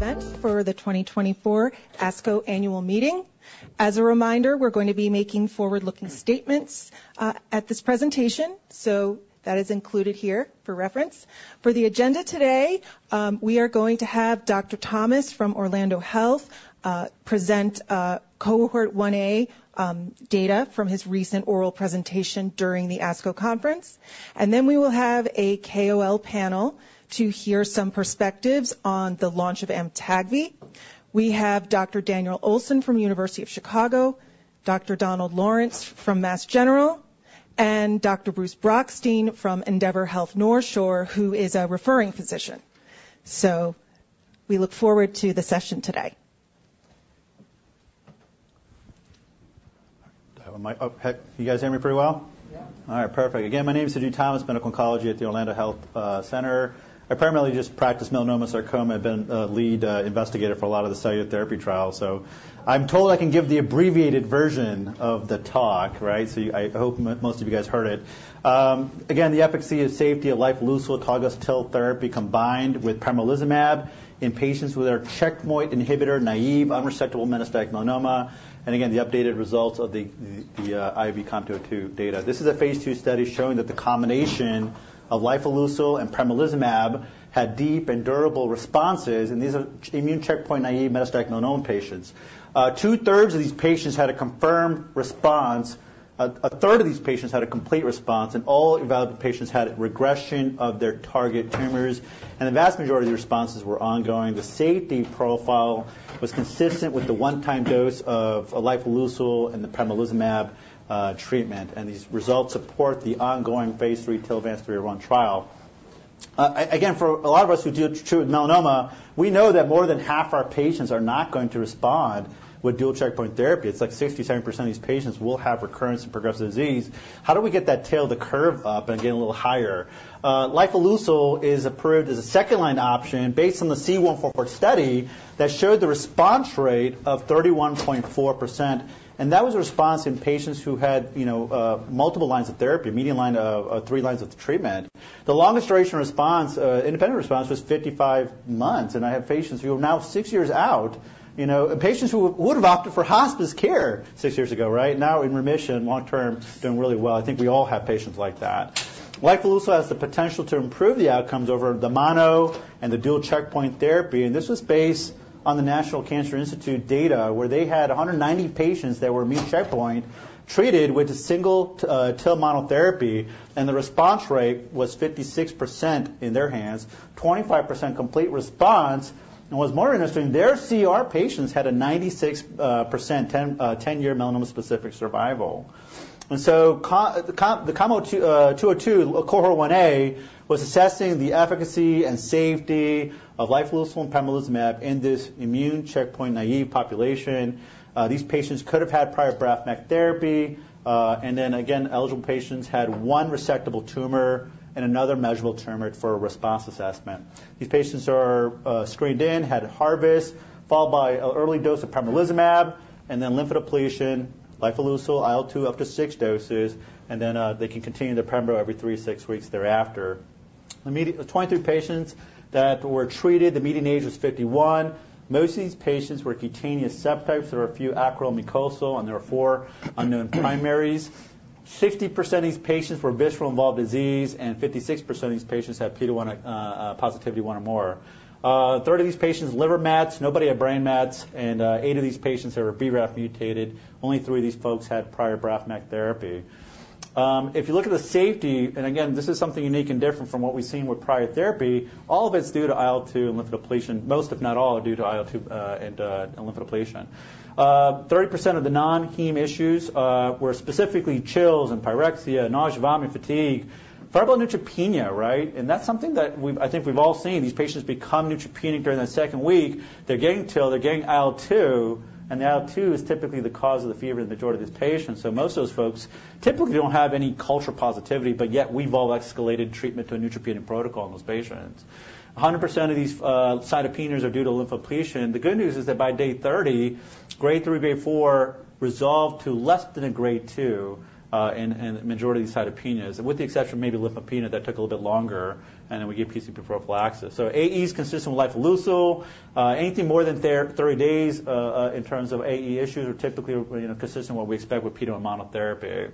Event for the 2024 ASCO annual meeting. As a reminder, we're going to be making forward-looking statements at this presentation, so that is included here for reference. For the agenda today, we are going to have Dr. Thomas from Orlando Health present Cohort 1A data from his recent oral presentation during the ASCO conference. Then we will have a KOL panel to hear some perspectives on the launch of Amtagvi. We have Dr. Daniel Olson from University of Chicago, Dr. Donald Lawrence from Mass General, and Dr. Bruce Brockstein from Endeavor Health NorthShore, who is a referring physician. We look forward to the session today. Do I have a mic? Oh, hey, can you guys hear me pretty well? Yeah. All right, perfect. Again, my name is AJ Thomas, Medical Oncology at the Orlando Health Center. I primarily just practice melanoma sarcoma. I've been a lead investigator for a lot of the cellular therapy trials, so I'm told I can give the abbreviated version of the talk, right? So I hope most of you guys heard it. Again, the efficacy and safety of lifileucel TIL therapy combined with pembrolizumab in patients with anti-checkpoint inhibitor naive unresectable metastatic melanoma. And again, the updated results of the IOV-COM-202 data. This is a phase 2 study showing that the combination of lifileucel and pembrolizumab had deep and durable responses, and these are immune checkpoint naive metastatic melanoma patients. 2/3 of these patients had a confirmed response. A third of these patients had a complete response, and all evaluated patients had regression of their target tumors, and the vast majority of the responses were ongoing. The safety profile was consistent with the one-time dose of lifileucel and the pembrolizumab treatment, and these results support the ongoing phase 3 TILVANCE-301 trial. Again, for a lot of us who deal with melanoma, we know that more than half our patients are not going to respond with dual checkpoint therapy. It's like 67% of these patients will have recurrence and progressive disease. How do we get that tail to curve up and get a little higher? Lifileucel is approved as a second-line option based on the C-144-01 study that showed the response rate of 31.4%. That was a response in patients who had, you know, multiple lines of therapy, median line of 3 lines of treatment. The longest duration response, independent response, was 55 months, and I have patients who are now 6 years out. You know, and patients who would have opted for hospice care 6 years ago, right? Now in remission, long term, doing really well. I think we all have patients like that. Lifileucel has the potential to improve the outcomes over the mono and the dual checkpoint therapy. This was based on the National Cancer Institute data, where they had 190 patients that were immune checkpoint, treated with a single TIL monotherapy, and the response rate was 56% in their hands, 25% complete response. What's more interesting, their CR patients had a 96% 10-year melanoma-specific survival. The IOV-COM-202, cohort 1A, was assessing the efficacy and safety of lifileucel and pembrolizumab in this immune checkpoint-naive population. These patients could have had prior BRAF/MEK therapy. And then again, eligible patients had 1 resectable tumor and another measurable tumor for a response assessment. These patients are screened in, had a harvest, followed by an early dose of pembrolizumab, and then lymph depletion, lifileucel, IL-2, up to 6 doses, and then they can continue their pembro every 3-6 weeks thereafter. 23 patients that were treated, the median age was 51. Most of these patients were cutaneous subtypes. There were a few acral, mucosal, and there were 4 unknown primaries. 50% of these patients were visceral-involved disease, and 56% of these patients had PD-1 positivity, one or more. A third of these patients, liver mets, nobody had brain mets, and 8 of these patients are BRAF mutated. Only 3 of these folks had prior BRAF/MEK therapy. If you look at the safety, and again, this is something unique and different from what we've seen with prior therapy, all of it's due to IL-2 and lymphodepletion. Most, if not all, are due to IL-2 and lymphodepletion. 30% of the non-hematologic issues were specifically chills and pyrexia, nausea, vomiting, fatigue, febrile neutropenia, right? And that's something that we've, I think we've all seen. These patients become neutropenic during that second week. They're getting TIL, they're getting IL-2, and the IL-2 is typically the cause of the fever in the majority of these patients. So most of those folks typically don't have any culture positivity, but yet we've all escalated treatment to a neutropenic protocol in those patients. 100% of these cytopenias are due to lymphodepletion. The good news is that by day 30, grade 3, grade 4 resolve to less than a grade 2 in a majority of these cytopenias, with the exception of maybe lymphopenia, that took a little bit longer, and then we give PCP prophylaxis. So AEs consistent with lifileucel, anything more than 30 days in terms of AE issues are typically, you know, consistent with what we expect with PD-L1 monotherapy.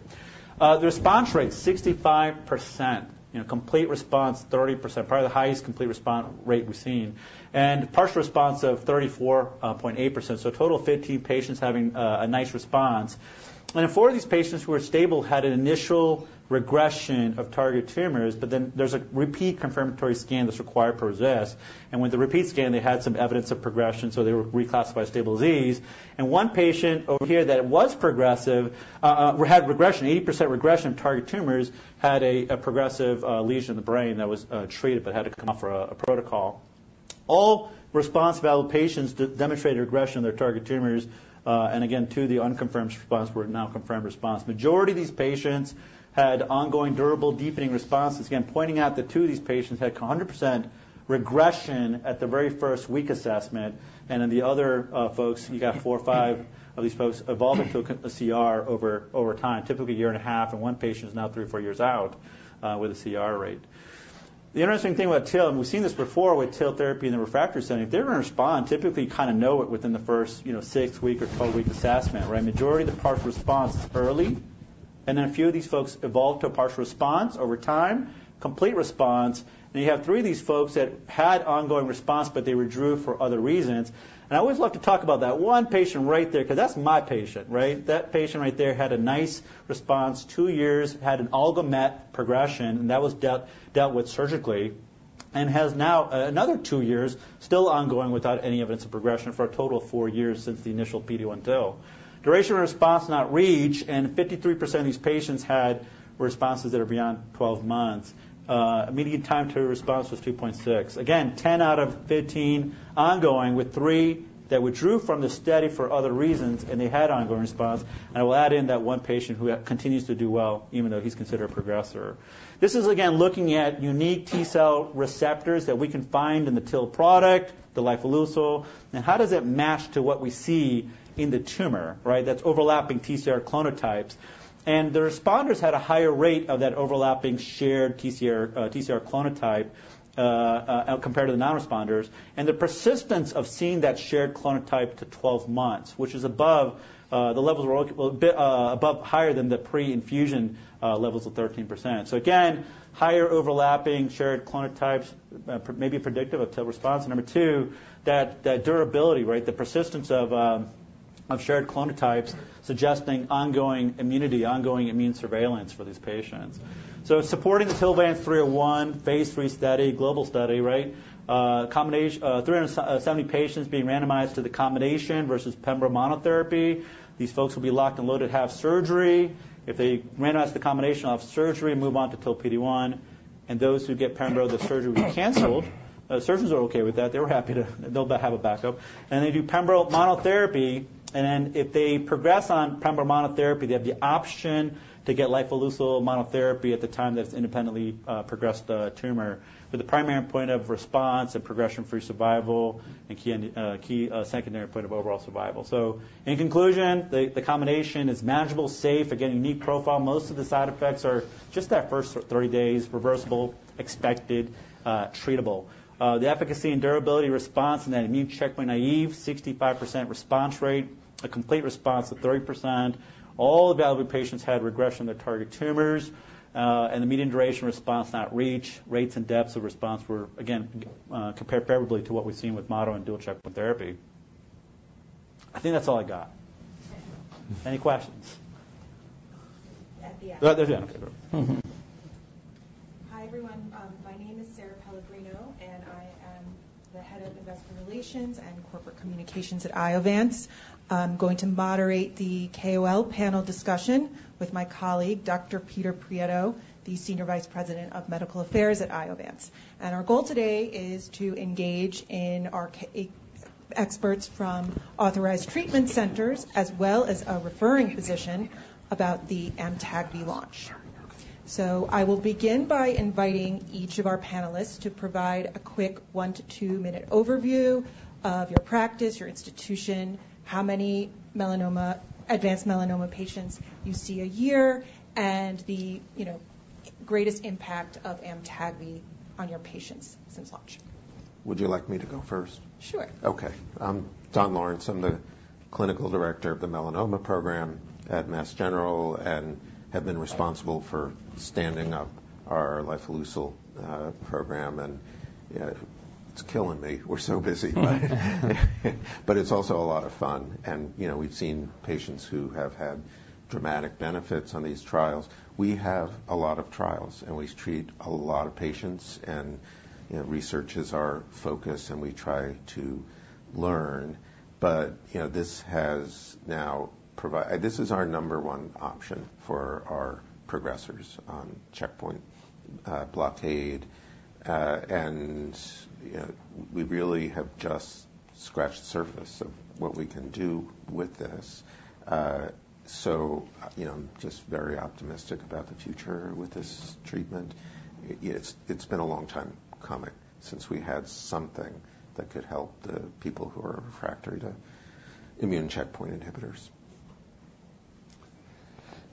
The response rate, 65%. You know, complete response, 30%, probably the highest complete response rate we've seen. And partial response of 34.8%, so a total of 15 patients having a nice response. And 4 of these patients who were stable had an initial regression of target tumors, but then there's a repeat confirmatory scan that's required for this. And with the repeat scan, they had some evidence of progression, so they were reclassified as stable disease. And one patient over here that was progressive had regression, 80% regression of target tumors, had a progressive lesion in the brain that was treated but had to come off a protocol. All response-evaluated patients demonstrated regression in their target tumors. And again, 2 of the unconfirmed response were now confirmed response. Majority of these patients had ongoing, durable, deepening responses. Again, pointing out that 2 of these patients had 100% regression at the very first week assessment, and then the other folks, you got 4 or 5 of these folks evolved into a CR over time, typically a year and a half, and one patient is now 3 or 4 years out with a CR rate. The interesting thing about TIL, and we've seen this before with TIL therapy in the refractory setting, if they're going to respond, typically you kind of know it within the first, you know, 6th week or 12-week assessment, right? Majority of the partial response is early, and then a few of these folks evolve to a partial response over time, complete response. Then you have 3 of these folks that had ongoing response, but they withdrew for other reasons. I always love to talk about that one patient right there, 'cause that's my patient, right? That patient right there had a nice response, 2 years, had an oligomet progression, and that was dealt with surgically, and has now another 2 years, still ongoing without any evidence of progression for a total of 4 years since the initial PD-1 TIL. Duration response not reached, and 53% of these patients had responses that are beyond 12 months. Median time to response was 2.6. Again, 10 out of 15 ongoing, with three that withdrew from the study for other reasons, and they had ongoing response. And I will add in that one patient who continues to do well, even though he's considered a progressor. This is, again, looking at unique T cell receptors that we can find in the TIL product, the lifileucel, and how does it match to what we see in the tumor, right? That's overlapping TCR clonotypes. The responders had a higher rate of that overlapping shared TCR TCR clonotype compared to the non-responders. The persistence of seeing that shared clonotype to 12 months, which is above, the levels were a bit, above higher than the pre-infusion levels of 13%. So again, higher overlapping shared clonotypes may be predictive of TIL response. Number two, that durability, right? The persistence of shared clonotypes suggesting ongoing immunity, ongoing immune surveillance for these patients. Supporting the TILVANCE-301, phase 3 study, global study, right? combination... 370 patients being randomized to the combination versus pembro monotherapy. These folks will be locked and loaded to have surgery. If they randomize the combination of surgery, move on to TIL PD-1, and those who get pembro, the surgery will be canceled. The surgeons are okay with that. They were happy to... they'll have a backup. And they do pembro monotherapy, and then if they progress on pembro monotherapy, they have the option to get lifileucel monotherapy at the time that it's independently progressed the tumor, with the primary point of response and progression-free survival and key and, key, secondary point of overall survival. So in conclusion, the combination is manageable, safe. Again, unique profile. Most of the side effects are just that first 30 days, reversible, expected, treatable. The efficacy and durable response in that immune checkpoint naive, 65% response rate, a complete response of 30%. All evaluated patients had regression of target tumors, and the median duration response not reached. Rates and depths of response were, again, comparable to what we've seen with mono and dual checkpoint therapy. I think that's all I got. Any questions? At the end. At the end. Mm-hmm. Hi, everyone. My name is Sarah Pellegrino, and I am the Head of Investor Relations and Corporate Communications at Iovance. I'm going to moderate the KOL panel discussion with my colleague, Dr. Peter Prieto, the Senior Vice President of Medical Affairs at Iovance. Our goal today is to engage our key experts from authorized treatment centers, as well as a referring physician, about the AMTAGVI launch. I will begin by inviting each of our panelists to provide a quick one to two-minute overview of your practice, your institution, how many advanced melanoma patients you see a year, and the, you know, greatest impact of AMTAGVI on your patients since launch. Would you like me to go first? Sure. Okay. I'm Don Lawrence. I'm the Clinical Director of the Melanoma Program at Mass General and have been responsible for standing up our lifileucel program, and it's killing me. We're so busy, right? But it's also a lot of fun and, you know, we've seen patients who have had dramatic benefits on these trials. We have a lot of trials, and we treat a lot of patients and, you know, research is our focus and we try to learn, but, you know, this is our number one option for our progressors on checkpoint blockade. And, you know, we really have just scratched the surface of what we can do with this. So, you know, I'm just very optimistic about the future with this treatment. It's been a long time coming since we had something that could help the people who are refractory to immune checkpoint inhibitors.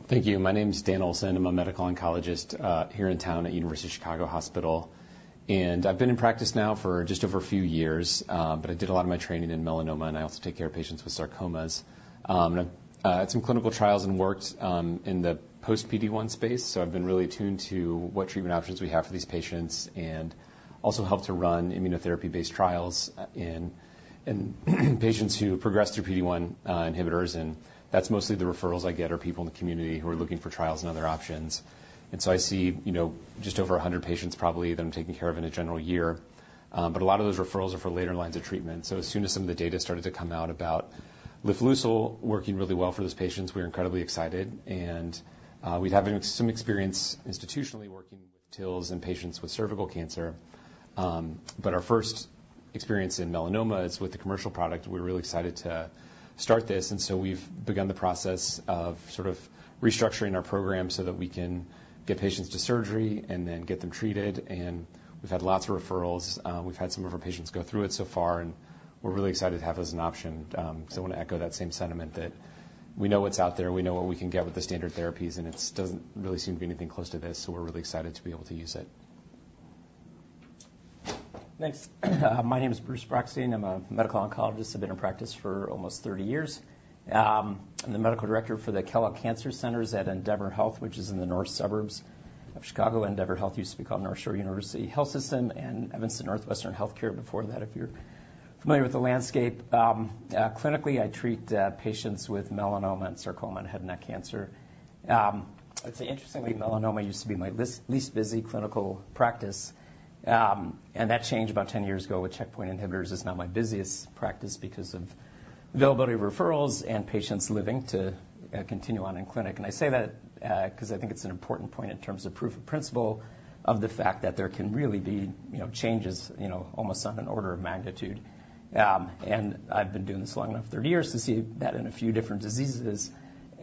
Thank you. My name is Dan Olson. I'm a medical oncologist here in town at University of Chicago Medicine, and I've been in practice now for just over a few years. But I did a lot of my training in melanoma, and I also take care of patients with sarcomas. And I've had some clinical trials and worked in the post-PD-1 space, so I've been really attuned to what treatment options we have for these patients and also helped to run immunotherapy-based trials in patients who progress through PD-1 inhibitors, and that's mostly the referrals I get, are people in the community who are looking for trials and other options. And so I see, you know, just over 100 patients, probably, that I'm taking care of in a general year. But a lot of those referrals are for later lines of treatment. So as soon as some of the data started to come out about lifileucel working really well for those patients, we were incredibly excited and we've had some experience institutionally working with TILs and patients with cervical cancer. But our first experience in melanoma is with the commercial product. We're really excited to start this, and so we've begun the process of sort of restructuring our program so that we can get patients to surgery and then get them treated. And we've had lots of referrals. We've had some of our patients go through it so far, and we're really excited to have this as an option. So, I want to echo that same sentiment that we know what's out there, we know what we can get with the standard therapies, and it doesn't really seem to be anything close to this, so we're really excited to be able to use it. Thanks. My name is Bruce Brockstein. I'm a medical oncologist. I've been in practice for almost 30 years. I'm the medical director for the Kellogg Cancer Centers at Endeavor Health, which is in the north suburbs of Chicago. Endeavor Health used to be called NorthShore University HealthSystem, and Evanston Northwestern Healthcare before that, if you're familiar with the landscape. Clinically, I treat patients with melanoma and sarcoma and head and neck cancer. I'd say interestingly, melanoma used to be my least, least busy clinical practice, and that changed about 10 years ago with checkpoint inhibitors. It's now my busiest practice because of availability of referrals and patients living to continue on in clinic. I say that, 'cause I think it's an important point in terms of proof of principle of the fact that there can really be, you know, changes, you know, almost on an order of magnitude. I've been doing this long enough, 30 years, to see that in a few different diseases.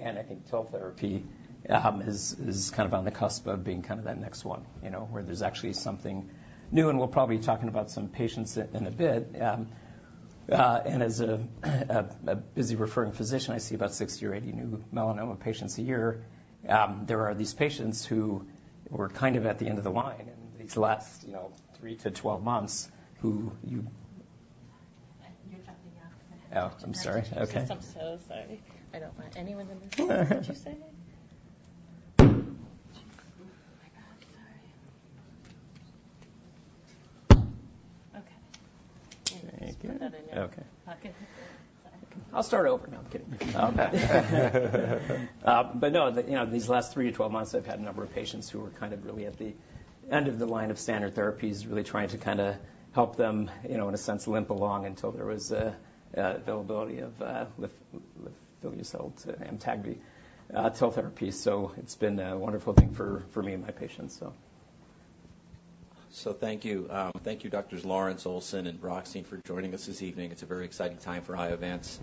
I think cell therapy is kind of on the cusp of being kind of that next one, you know, where there's actually something new, and we'll probably be talking about some patients in a bit. As a busy referring physician, I see about 60 or 80 new melanoma patients a year. There are these patients who were kind of at the end of the line in these last, you know, 3-12 months, who you- You're dropping out. Oh, I'm sorry. Okay. I'm so sorry. I don't want anyone in the room. What you saying? Oh, my God, sorry. Okay. Thank you. Just put that in there. Okay. Okay. I'll start over. No, I'm kidding. But no, you know, these last three to 12 months, I've had a number of patients who were kind of really at the end of the line of standard therapies, really trying to kinda help them, you know, in a sense, limp along until there was a availability of lifileucel to Amtagvi TIL therapy. So it's been a wonderful thing for, for me and my patients, so... So thank you. Thank you, Doctors Lawrence, Olson, and Brockstein, for joining us this evening. It's a very exciting time for Iovance.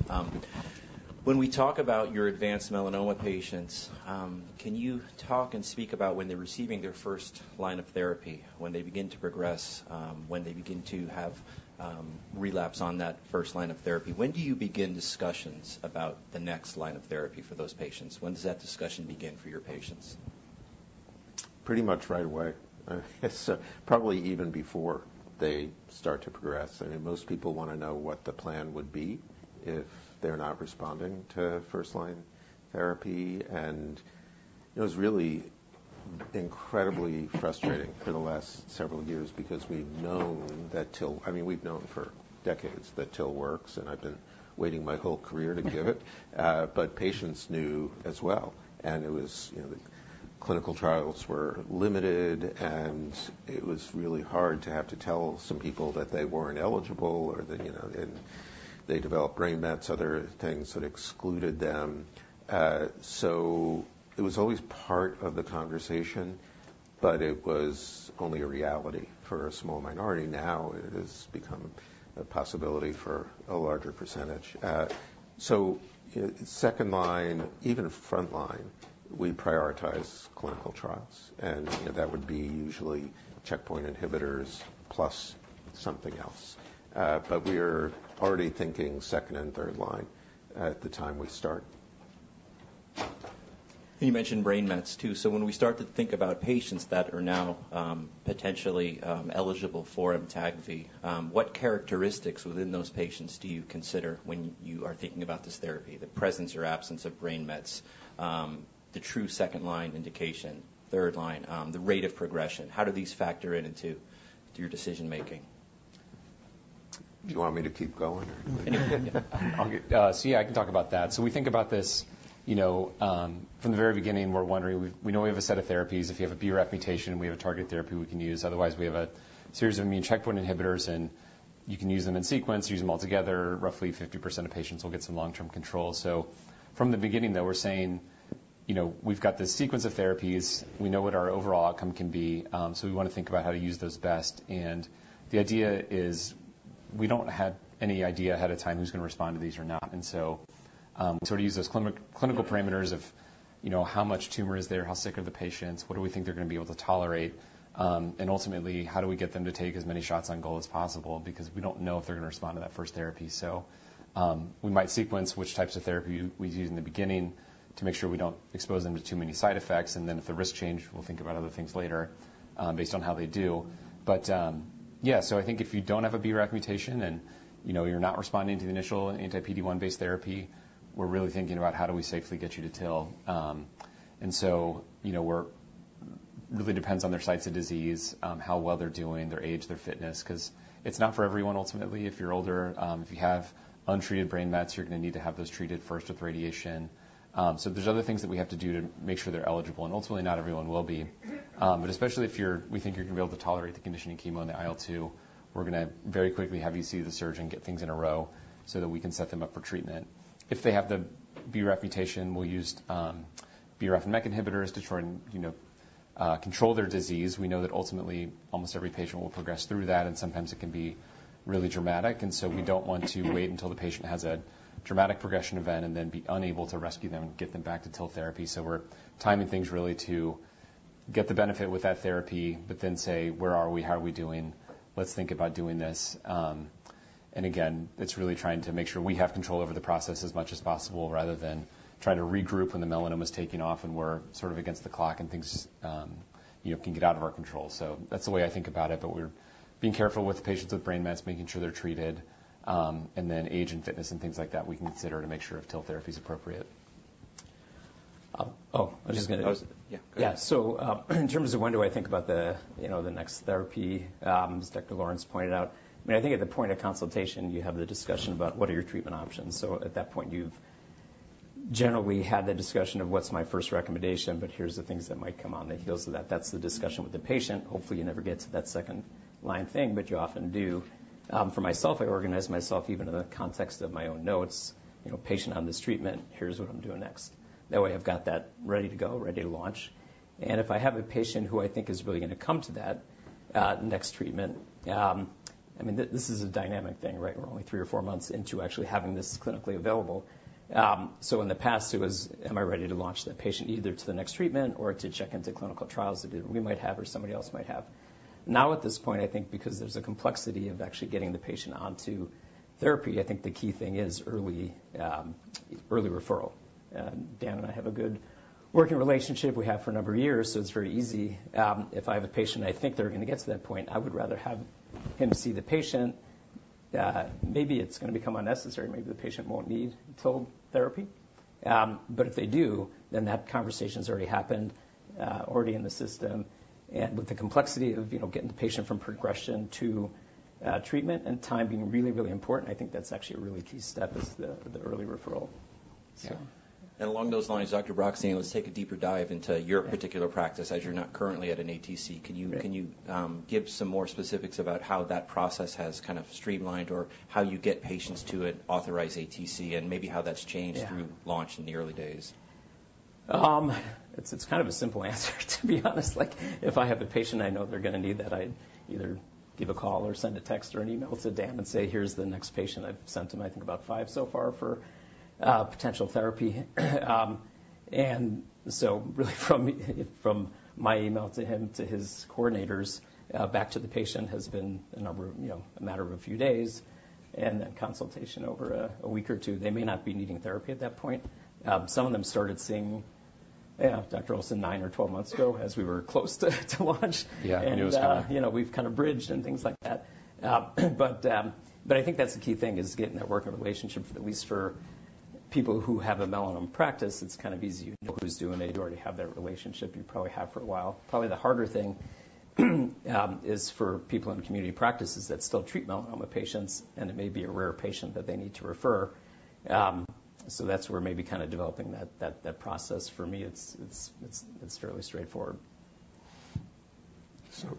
When we talk about your advanced melanoma patients, can you talk and speak about when they're receiving their first line of therapy, when they begin to progress, when they begin to have, relapse on that first line of therapy? When do you begin discussions about the next line of therapy for those patients? When does that discussion begin for your patients? Pretty much right away. It's probably even before they start to progress. I mean, most people want to know what the plan would be if they're not responding to first-line therapy. And it was really incredibly frustrating for the last several years because we've known that TIL... I mean, we've known for decades that TIL works, and I've been waiting my whole career to give it, but patients knew as well. And it was, you know, the clinical trials were limited, and it was really hard to have to tell some people that they weren't eligible or that, you know, and they developed brain mets, other things that excluded them. So it was always part of the conversation, but it was only a reality for a small minority. Now, it has become a possibility for a larger percentage. So second line, even front line, we prioritize clinical trials, and that would be usually checkpoint inhibitors plus something else. But we are already thinking second and third line at the time we start. You mentioned brain mets too. So when we start to think about patients that are now, potentially, eligible for Amtagvi, what characteristics within those patients do you consider when you are thinking about this therapy? The presence or absence of brain mets, the true second line indication, third line, the rate of progression, how do these factor into, to your decision making? Do you want me to keep going or...? So yeah, I can talk about that. So we think about this, you know, from the very beginning, we're wondering, we, we know we have a set of therapies. If you have a BRAF mutation, we have a target therapy we can use. Otherwise, we have a series of immune checkpoint inhibitors, and you can use them in sequence, use them all together. Roughly 50% of patients will get some long-term control. So from the beginning, though, we're saying, you know, we've got this sequence of therapies. We know what our overall outcome can be, so we want to think about how to use those best. And the idea is we don't have any idea ahead of time who's going to respond to these or not. And so, we sort of use those clinical parameters of, you know, how much tumor is there? How sick are the patients? What do we think they're going to be able to tolerate? And ultimately, how do we get them to take as many shots on goal as possible? Because we don't know if they're going to respond to that first therapy. So, we might sequence which types of therapy we use in the beginning to make sure we don't expose them to too many side effects, and then if the risks change, we'll think about other things later, based on how they do. But, yeah, so I think if you don't have a BRAF mutation and, you know, you're not responding to the initial anti-PD-1 based therapy, we're really thinking about how do we safely get you to TIL. So, you know, really depends on their sites of disease, how well they're doing, their age, their fitness, 'cause it's not for everyone ultimately. If you're older, if you have untreated brain mets, you're going to need to have those treated first with radiation. So there's other things that we have to do to make sure they're eligible, and ultimately, not everyone will be. But especially if we think you're going to be able to tolerate the conditioning chemo and the IL-2, we're going to very quickly have you see the surgeon, get things in a row so that we can set them up for treatment. If they have the BRAF mutation, we'll use BRAF MEK inhibitors to try and, you know, control their disease. We know that ultimately, almost every patient will progress through that, and sometimes it can be really dramatic, and so we don't want to wait until the patient has a dramatic progression event and then be unable to rescue them and get them back to TIL therapy. So we're timing things really to-... get the benefit with that therapy, but then say: Where are we? How are we doing? Let's think about doing this. And again, it's really trying to make sure we have control over the process as much as possible, rather than trying to regroup when the melanoma is taking off, and we're sort of against the clock, and things, you know, can get out of our control. So that's the way I think about it, but we're being careful with patients with brain mets, making sure they're treated. And then age and fitness, and things like that, we consider to make sure if TIL therapy is appropriate. Oh, I was just gonna- Yeah. Yeah. So, in terms of when do I think about the, you know, the next therapy, as Dr. Lawrence pointed out... I mean, I think at the point of consultation, you have the discussion about what are your treatment options. So at that point, you've generally had the discussion of what's my first recommendation, but here's the things that might come on the heels of that. That's the discussion with the patient. Hopefully, you never get to that second-line thing, but you often do. For myself, I organize myself even in the context of my own notes, you know, patient on this treatment, here's what I'm doing next. That way, I've got that ready to go, ready to launch. And if I have a patient who I think is really gonna come to that, next treatment, I mean, this is a dynamic thing, right? We're only three or four months into actually having this clinically available. So in the past, it was, am I ready to launch that patient either to the next treatment or to check into clinical trials that we might have or somebody else might have? Now, at this point, I think because there's a complexity of actually getting the patient onto therapy, I think the key thing is early, early referral. And Dan and I have a good working relationship. We have for a number of years, so it's very easy. If I have a patient, I think they're gonna get to that point, I would rather have him see the patient. Maybe it's gonna become unnecessary, maybe the patient won't need TIL therapy. But if they do, then that conversation's already happened, already in the system. With the complexity of, you know, getting the patient from progression to treatment and time being really, really important, I think that's actually a really key step, is the early referral. So- Along those lines, Dr. Brockstein, let's take a deeper dive into your particular practice, as you're not currently at an ATC. Right. Can you give some more specifics about how that process has kind of streamlined or how you get patients to an authorized ATC and maybe how that's changed? Yeah... through launch in the early days? It's kind of a simple answer, to be honest. Like, if I have a patient, I know they're gonna need that, I either give a call or send a text or an email to Dan and say, "Here's the next patient." I've sent him, I think, about five so far for potential therapy. And so really, from my email to him, to his coordinators, back to the patient, has been a number of, you know, a matter of a few days, and then consultation over a week or two. They may not be needing therapy at that point. Some of them started seeing, yeah, Dr. Olson nine or 12 months ago as we were close to launch. Yeah, it was, You know, we've kind of bridged and things like that. But I think that's the key thing, is getting that working relationship, at least for people who have a melanoma practice. It's kind of easy. You know who's doing they already have that relationship you probably have for a while. Probably the harder thing is for people in community practices that still treat melanoma patients, and it may be a rare patient that they need to refer. So that's where maybe kind of developing that process. For me, it's fairly straightforward. So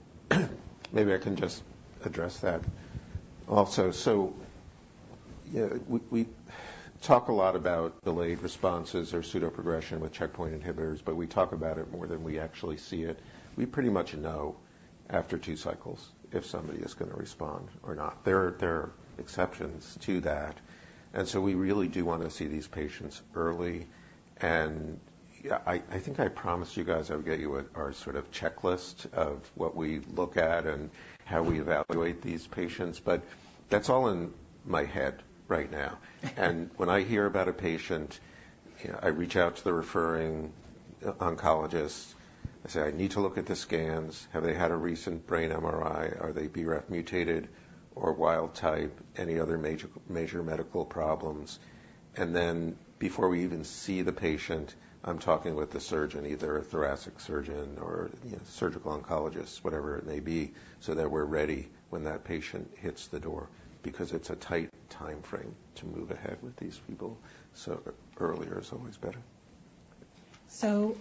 maybe I can just address that also. So, yeah, we talk a lot about delayed responses or pseudoprogression with checkpoint inhibitors, but we talk about it more than we actually see it. We pretty much know after two cycles if somebody is gonna respond or not. There are exceptions to that, and so we really do want to see these patients early. And yeah, I think I promised you guys I would get you our sort of checklist of what we look at and how we evaluate these patients, but that's all in my head right now. And when I hear about a patient, you know, I reach out to the referring oncologist. I say, "I need to look at the scans. Have they had a recent brain MRI? Are they BRAF mutated or wild type? Any other major, major medical problems?" And then, before we even see the patient, I'm talking with the surgeon, either a thoracic surgeon or a surgical oncologist, whatever it may be, so that we're ready when that patient hits the door, because it's a tight timeframe to move ahead with these people, so earlier is always better. So,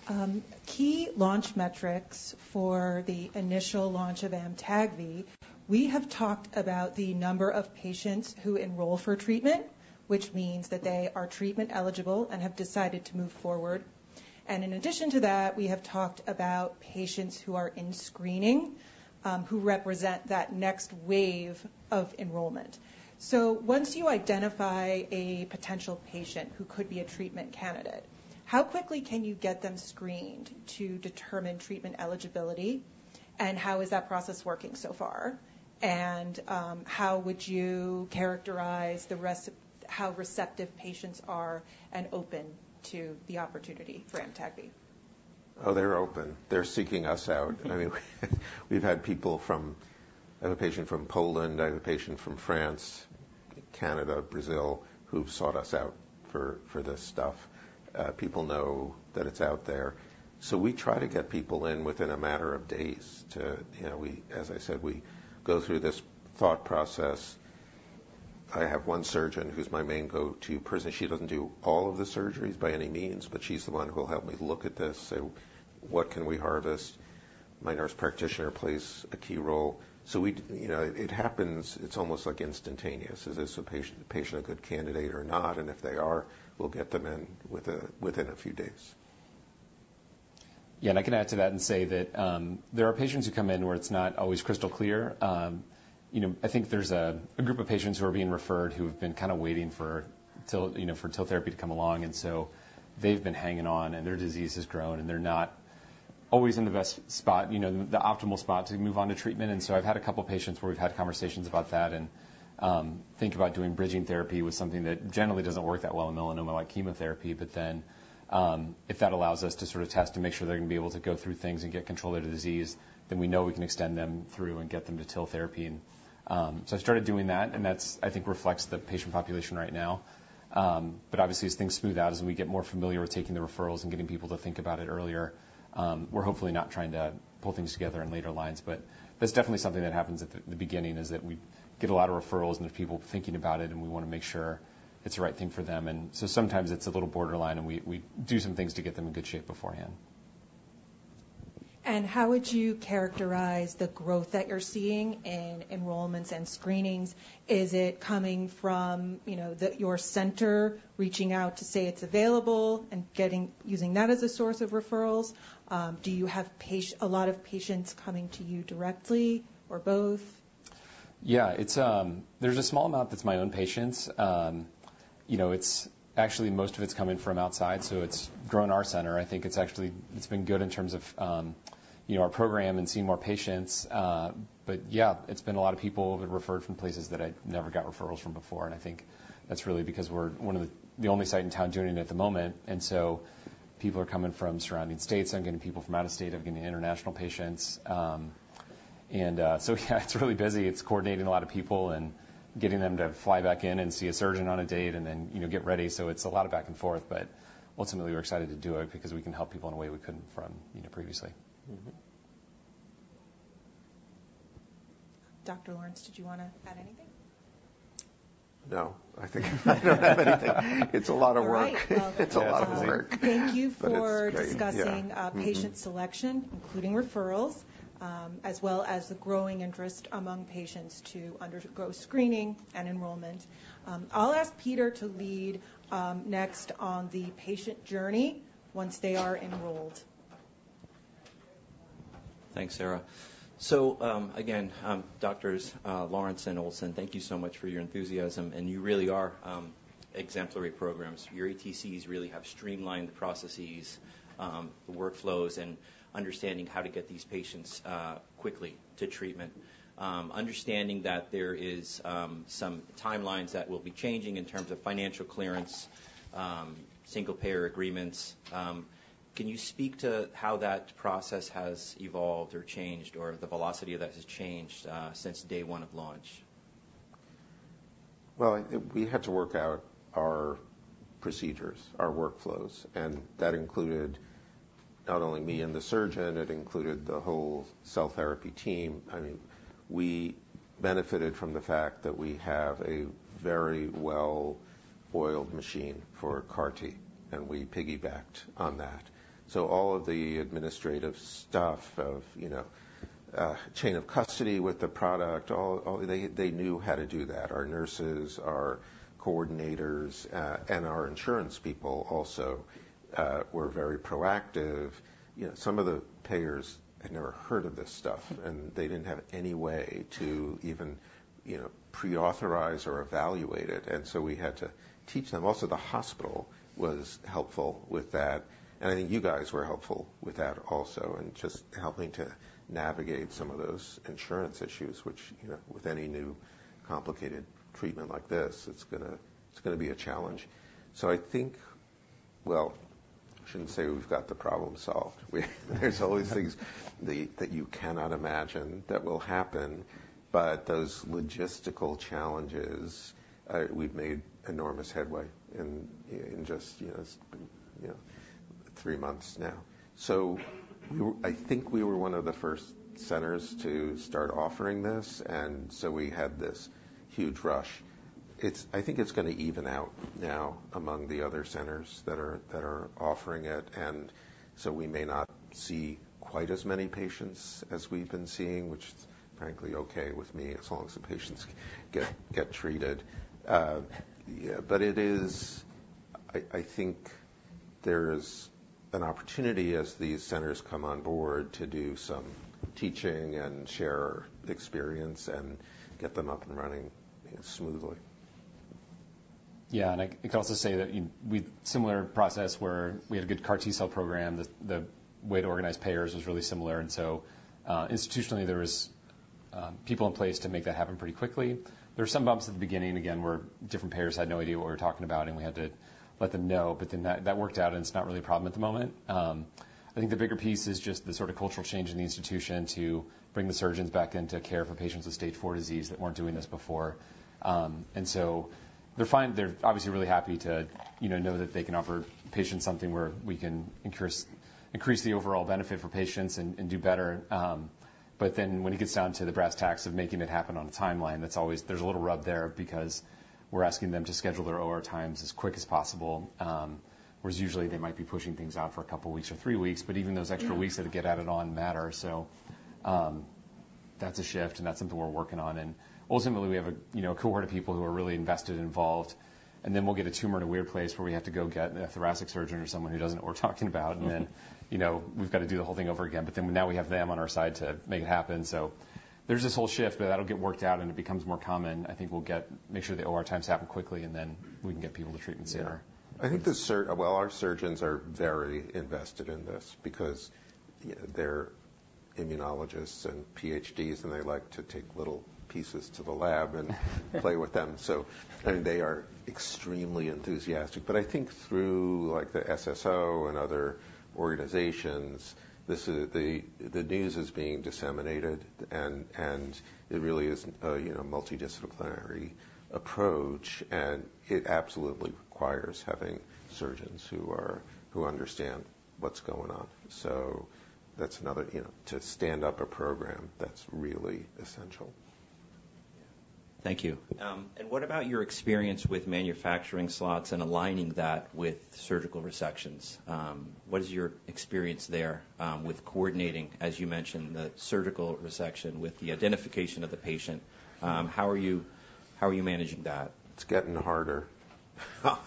key launch metrics for the initial launch of Amtagvi, we have talked about the number of patients who enroll for treatment, which means that they are treatment eligible and have decided to move forward. And in addition to that, we have talked about patients who are in screening, who represent that next wave of enrollment. So once you identify a potential patient who could be a treatment candidate, how quickly can you get them screened to determine treatment eligibility? And how is that process working so far? And how would you characterize how receptive patients are and open to the opportunity for Amtagvi? Oh, they're open. They're seeking us out. Mm-hmm. I mean, we've had people from... I have a patient from Poland, I have a patient from France, Canada, Brazil, who've sought us out for, for this stuff. People know that it's out there. So we try to get people in within a matter of days to... You know, we, as I said, we go through this thought process. I have one surgeon who's my main go-to person. She doesn't do all of the surgeries by any means, but she's the one who will help me look at this and say: What can we harvest? My nurse practitioner plays a key role. So we, you know, it happens, it's almost, like, instantaneous. Is this a patient, a patient, a good candidate or not? And if they are, we'll get them in within a, within a few days. Yeah, and I can add to that and say that, there are patients who come in where it's not always crystal clear. You know, I think there's a group of patients who are being referred, who have been kind of waiting for-... TIL, you know, for TIL therapy to come along, and so they've been hanging on, and their disease has grown, and they're not always in the best spot, you know, the optimal spot to move on to treatment. And so I've had a couple patients where we've had conversations about that and think about doing bridging therapy with something that generally doesn't work that well in melanoma, like chemotherapy. But then, if that allows us to sort of test to make sure they're gonna be able to go through things and get control of the disease, then we know we can extend them through and get them to TIL therapy. So I've started doing that, and that's, I think, reflects the patient population right now. But obviously, as things smooth out, as we get more familiar with taking the referrals and getting people to think about it earlier, we're hopefully not trying to pull things together in later lines, but that's definitely something that happens at the beginning, is that we get a lot of referrals and there's people thinking about it, and we wanna make sure it's the right thing for them. And so sometimes it's a little borderline, and we do some things to get them in good shape beforehand. And how would you characterize the growth that you're seeing in enrollments and screenings? Is it coming from, you know, your center reaching out to say it's available and getting using that as a source of referrals? Do you have a lot of patients coming to you directly or both? Yeah, it's, there's a small amount that's my own patients. You know, it's actually most of it's coming from outside, so it's grown our center. I think it's actually, it's been good in terms of, you know, our program and seeing more patients. But yeah, it's been a lot of people who've been referred from places that I never got referrals from before, and I think that's really because we're the only site in town doing it at the moment, and so people are coming from surrounding states. I'm getting people from out of state. I'm getting international patients. And, so yeah, it's really busy. It's coordinating a lot of people and getting them to fly back in and see a surgeon on a date and then, you know, get ready, so it's a lot of back and forth. But ultimately, we're excited to do it because we can help people in a way we couldn't from, you know, previously. Mm-hmm. Dr. Lawrence, did you wanna add anything? No. I think I don't have anything. It's a lot of work. All right. Well- It's a lot of work. Yeah. But it's great. Thank you for discussing- Yeah. Mm-hmm... patient selection, including referrals, as well as the growing interest among patients to undergo screening and enrollment. I'll ask Peter to lead, next on the patient journey once they are enrolled. Thanks, Sarah. So, again, Doctors Lawrence and Olson, thank you so much for your enthusiasm, and you really are exemplary programs. Your ATCs really have streamlined the processes, the workflows, and understanding how to get these patients quickly to treatment. Understanding that there is some timelines that will be changing in terms of financial clearance, single-payer agreements, can you speak to how that process has evolved or changed, or the velocity of that has changed since day one of launch? Well, we had to work out our procedures, our workflows, and that included not only me and the surgeon, it included the whole cell therapy team. I mean, we benefited from the fact that we have a very well-oiled machine for CAR T, and we piggybacked on that. So all of the administrative stuff of, you know, chain of custody with the product, all. They knew how to do that. Our nurses, our coordinators, and our insurance people also were very proactive. You know, some of the payers had never heard of this stuff, and they didn't have any way to even, you know, pre-authorize or evaluate it, and so we had to teach them. Also, the hospital was helpful with that, and I think you guys were helpful with that also, and just helping to navigate some of those insurance issues which, you know, with any new complicated treatment like this, it's gonna be a challenge. So I think... Well, I shouldn't say we've got the problem solved. There's always things that you cannot imagine that will happen, but those logistical challenges, we've made enormous headway in just, you know, it's been, you know, three months now. So, I think we were one of the first centers to start offering this, and so we had this huge rush. I think it's gonna even out now among the other centers that are offering it, and so we may not see quite as many patients as we've been seeing, which is frankly okay with me, as long as the patients get treated. Yeah, but it is. I think there's an opportunity as these centers come on board to do some teaching and share experience and get them up and running, you know, smoothly. Yeah, and I can also say that, you know, we similar process where we had a good CAR T cell program. The way to organize payers was really similar, and so institutionally, there was people in place to make that happen pretty quickly. There were some bumps at the beginning, again, where different payers had no idea what we were talking about, and we had to let them know, but then that worked out, and it's not really a problem at the moment. I think the bigger piece is just the sort of cultural change in the institution to bring the surgeons back into care for patients with stage four disease that weren't doing this before. And so they're fine. They're obviously really happy to, you know, know that they can offer patients something where we can increase, increase the overall benefit for patients and, and do better. But then when it gets down to the brass tacks of making it happen on a timeline, that's always... There's a little rub there because we're asking them to schedule their OR times as quick as possible, whereas usually they might be pushing things out for a couple of weeks or three weeks, but even those extra weeks that get added on matter. So, that's a shift, and that's something we're working on. And ultimately, we have you know, a cohort of people who are really invested and involved, and then we'll get a tumor in a weird place where we have to go get a thoracic surgeon or someone who doesn't know what we're talking about. And then, you know, we've got to do the whole thing over again. But then now we have them on our side to make it happen. So there's this whole shift, but that'll get worked out, and it becomes more common. I think we'll get, make sure the OR times happen quickly, and then we can get people to treatment sooner. Yeah. I think. Well, our surgeons are very invested in this because, you know, they're immunologists and PhDs, and they like to take little pieces to the lab and play with them. So, I mean, they are extremely enthusiastic. But I think through, like, the SSO and other organizations, this is the, the news is being disseminated, and it really is a, you know, multidisciplinary approach, and it absolutely requires having surgeons who understand what's going on. So that's another, you know... To stand up a program, that's really essential. Thank you. And what about your experience with manufacturing slots and aligning that with surgical resections? What is your experience there, with coordinating, as you mentioned, the surgical resection with the identification of the patient? How are you, how are you managing that? It's getting harder,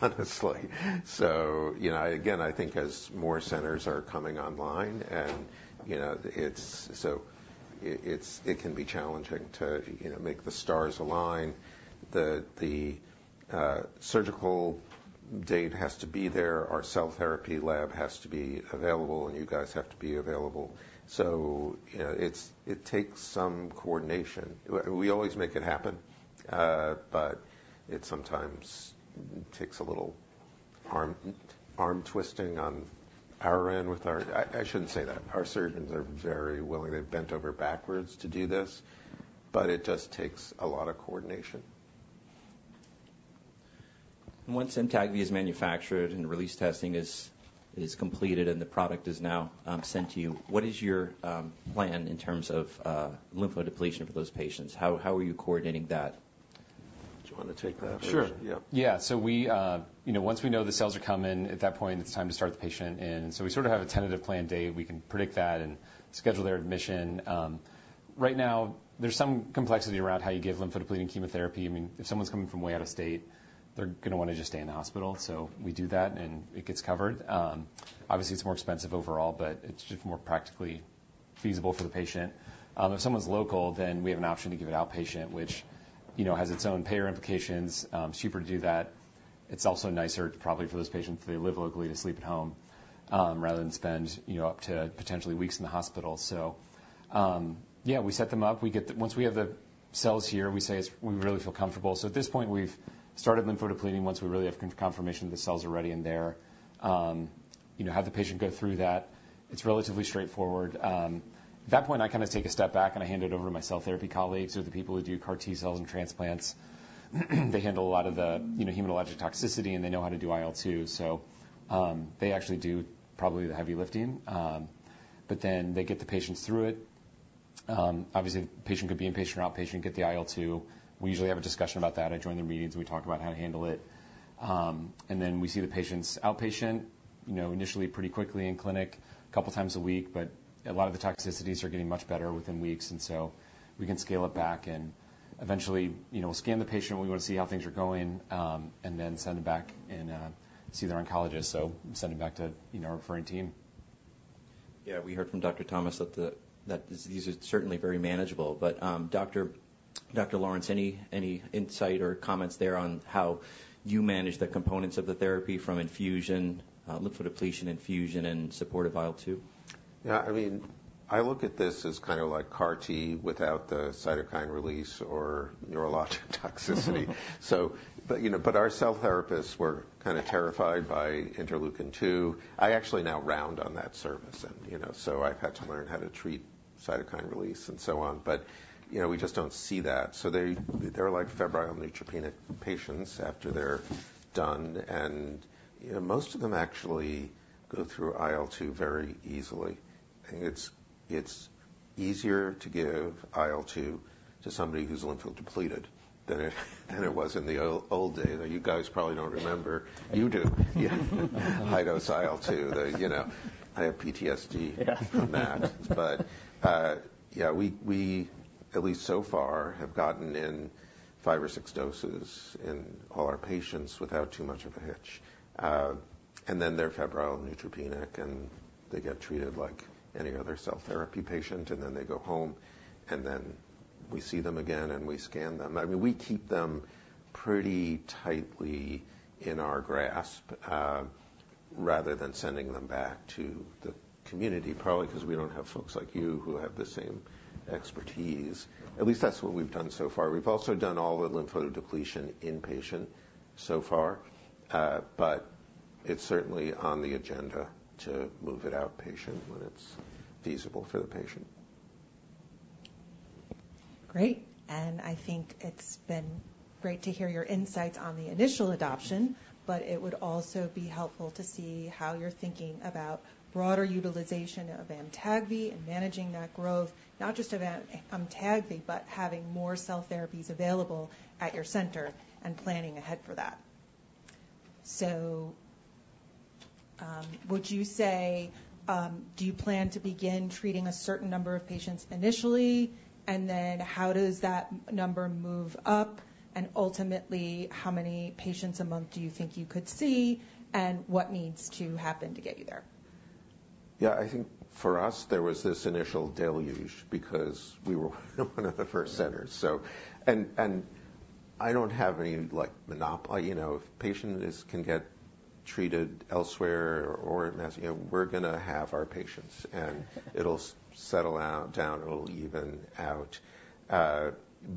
honestly. So you know, again, I think as more centers are coming online and, you know, it's so it can be challenging to, you know, make the stars align. The surgical date has to be there, our cell therapy lab has to be available, and you guys have to be available. So, you know, it takes some coordination. We always make it happen, but it sometimes takes a little arm twisting on our end with our... I shouldn't say that. Our surgeons are very willing. They've bent over backwards to do this, but it just takes a lot of coordination. Once Amtagvi is manufactured and release testing is completed, and the product is now sent to you, what is your plan in terms of lymphodepletion for those patients? How are you coordinating that? Do you want to take that or- Sure. Yeah. Yeah. So we, You know, once we know the cells are coming, at that point, it's time to start the patient in. So we sort of have a tentative plan date. We can predict that and schedule their admission. Right now, there's some complexity around how you give lymphodepleting chemotherapy. I mean, if someone's coming from way out of state, they're going to want to just stay in the hospital, so we do that, and it gets covered. Obviously, it's more expensive overall, but it's just more practically feasible for the patient. If someone's local, then we have an option to give it outpatient, which, you know, has its own payer implications. It's cheaper to do that. It's also nicer, probably for those patients, if they live locally, to sleep at home, rather than spend, you know, up to potentially weeks in the hospital. So, yeah, we set them up. Once we have the cells here, we say it's... We really feel comfortable. So at this point, we've started lymphodepleting once we really have confirmation the cells are ready in there. You know, have the patient go through that. It's relatively straightforward. At that point, I kind of take a step back, and I hand it over to my cell therapy colleagues or the people who do CAR T cells and transplants. They handle a lot of the, you know, hematologic toxicity, and they know how to do IL-2, so, they actually do probably the heavy lifting. But then they get the patients through it. Obviously, the patient could be inpatient or outpatient, get the IL-2. We usually have a discussion about that. I join their meetings, and we talk about how to handle it. Then we see the patients outpatient, you know, initially, pretty quickly in clinic, a couple of times a week, but a lot of the toxicities are getting much better within weeks, and so we can scale it back and eventually, you know, scan the patient. We want to see how things are going, and then send them back and see their oncologist. Send them back to, you know, our referring team. Yeah, we heard from Dr. Thomas that this disease is certainly very manageable. But, Dr. Lawrence, any insight or comments there on how you manage the components of the therapy from infusion, lymphodepletion infusion, and supportive IL-2? Yeah, I mean, I look at this as kind of like CAR T without the cytokine release or neurologic toxicity. Mm-hmm. But, you know, but our cell therapists were kind of terrified by interleukin-2. I actually now round on that service and, you know, so I've had to learn how to treat cytokine release and so on. But, you know, we just don't see that. So they, they're like febrile neutropenic patients after they're done, and, you know, most of them actually go through IL-2 very easily. I think it's, it's easier to give IL-2 to somebody who's lympho-depleted than it, than it was in the old, old day. You guys probably don't remember. You do. High-dose IL-2, the, you know... I have PTSD- Yeah. -from that. But, yeah, we at least so far have gotten in five or six doses in all our patients without too much of a hitch. And then they're febrile, neutropenic, and they get treated like any other cell therapy patient, and then they go home, and then we see them again, and we scan them. I mean, we keep them pretty tightly in our grasp rather than sending them back to the community, probably because we don't have folks like you who have the same expertise. At least that's what we've done so far. We've also done all the lymphodepletion inpatient so far, but it's certainly on the agenda to move it outpatient when it's feasible for the patient. Great. I think it's been great to hear your insights on the initial adoption, but it would also be helpful to see how you're thinking about broader utilization of Amtagvi and managing that growth, not just of Amtagvi, but having more cell therapies available at your center and planning ahead for that. Would you say, do you plan to begin treating a certain number of patients initially? And then how does that number move up? And ultimately, how many patients a month do you think you could see, and what needs to happen to get you there? Yeah, I think for us, there was this initial deluge because we were one of the first centers. So, I don't have any, like, monopoly. You know, if patient can get treated elsewhere or at Mass, you know, we're gonna have our patients, and it'll settle down, it'll even out.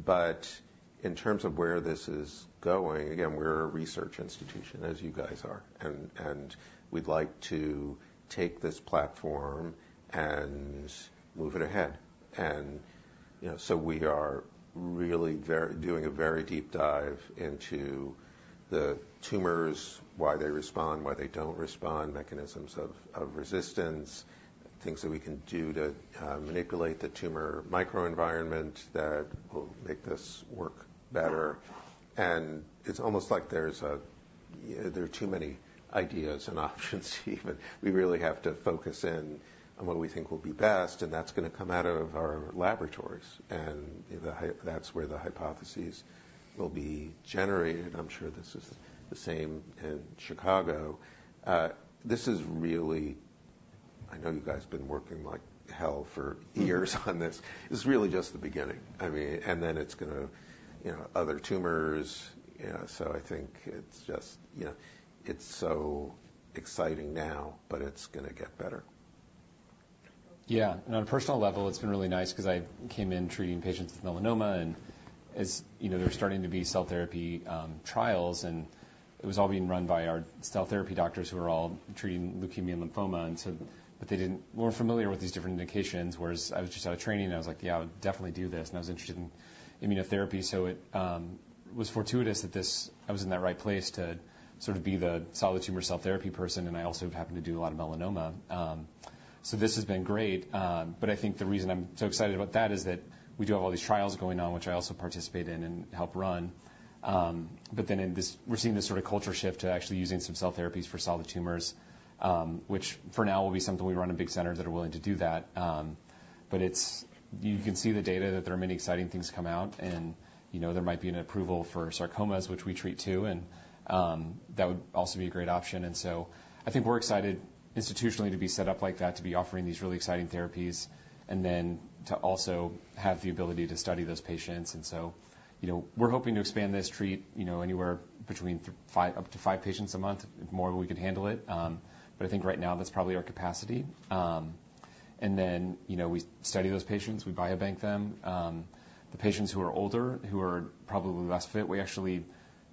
But in terms of where this is going, again, we're a research institution, as you guys are, and we'd like to take this platform and move it ahead. And, you know, so we are really doing a very deep dive into the tumors, why they respond, why they don't respond, mechanisms of resistance, things that we can do to manipulate the tumor microenvironment that will make this work better. And it's almost like there are too many ideas and options even. We really have to focus in on what we think will be best, and that's gonna come out of our laboratories, and that's where the hypotheses will be generated. I'm sure this is the same in Chicago. This is really... I know you guys have been working like hell for years on this. This is really just the beginning. I mean, and then it's gonna, you know, other tumors, you know. So I think it's just... You know, it's so exciting now, but it's gonna get better. Yeah. And on a personal level, it's been really nice because I came in treating patients with melanoma and, as you know, there were starting to be cell therapy trials, and it was all being run by our cell therapy doctors who were all treating leukemia and lymphoma, and so... But they weren't familiar with these different indications, whereas I was just out of training, and I was like: Yeah, I would definitely do this. And I was interested in immunotherapy, so it was fortuitous that I was in that right place to sort of be the solid tumor cell therapy person, and I also happened to do a lot of melanoma. So this has been great. But I think the reason I'm so excited about that is that we do have all these trials going on, which I also participate in and help run. But then in this- we're seeing this sort of culture shift to actually using some cell therapies for solid tumors, which for now will be something we run in big centers that are willing to do that. But it's... You can see the data, that there are many exciting things come out, and you know, there might be an approval for sarcomas, which we treat too, and, that would also be a great option. And so I think we're excited institutionally to be set up like that, to be offering these really exciting therapies, and then to also have the ability to study those patients. You know, we're hoping to expand this treatment, you know, anywhere between five up to five patients a month, more if we could handle it. But I think right now that's probably our capacity. Then, you know, we study those patients, we biobank them. The patients who are older, who are probably less fit, we actually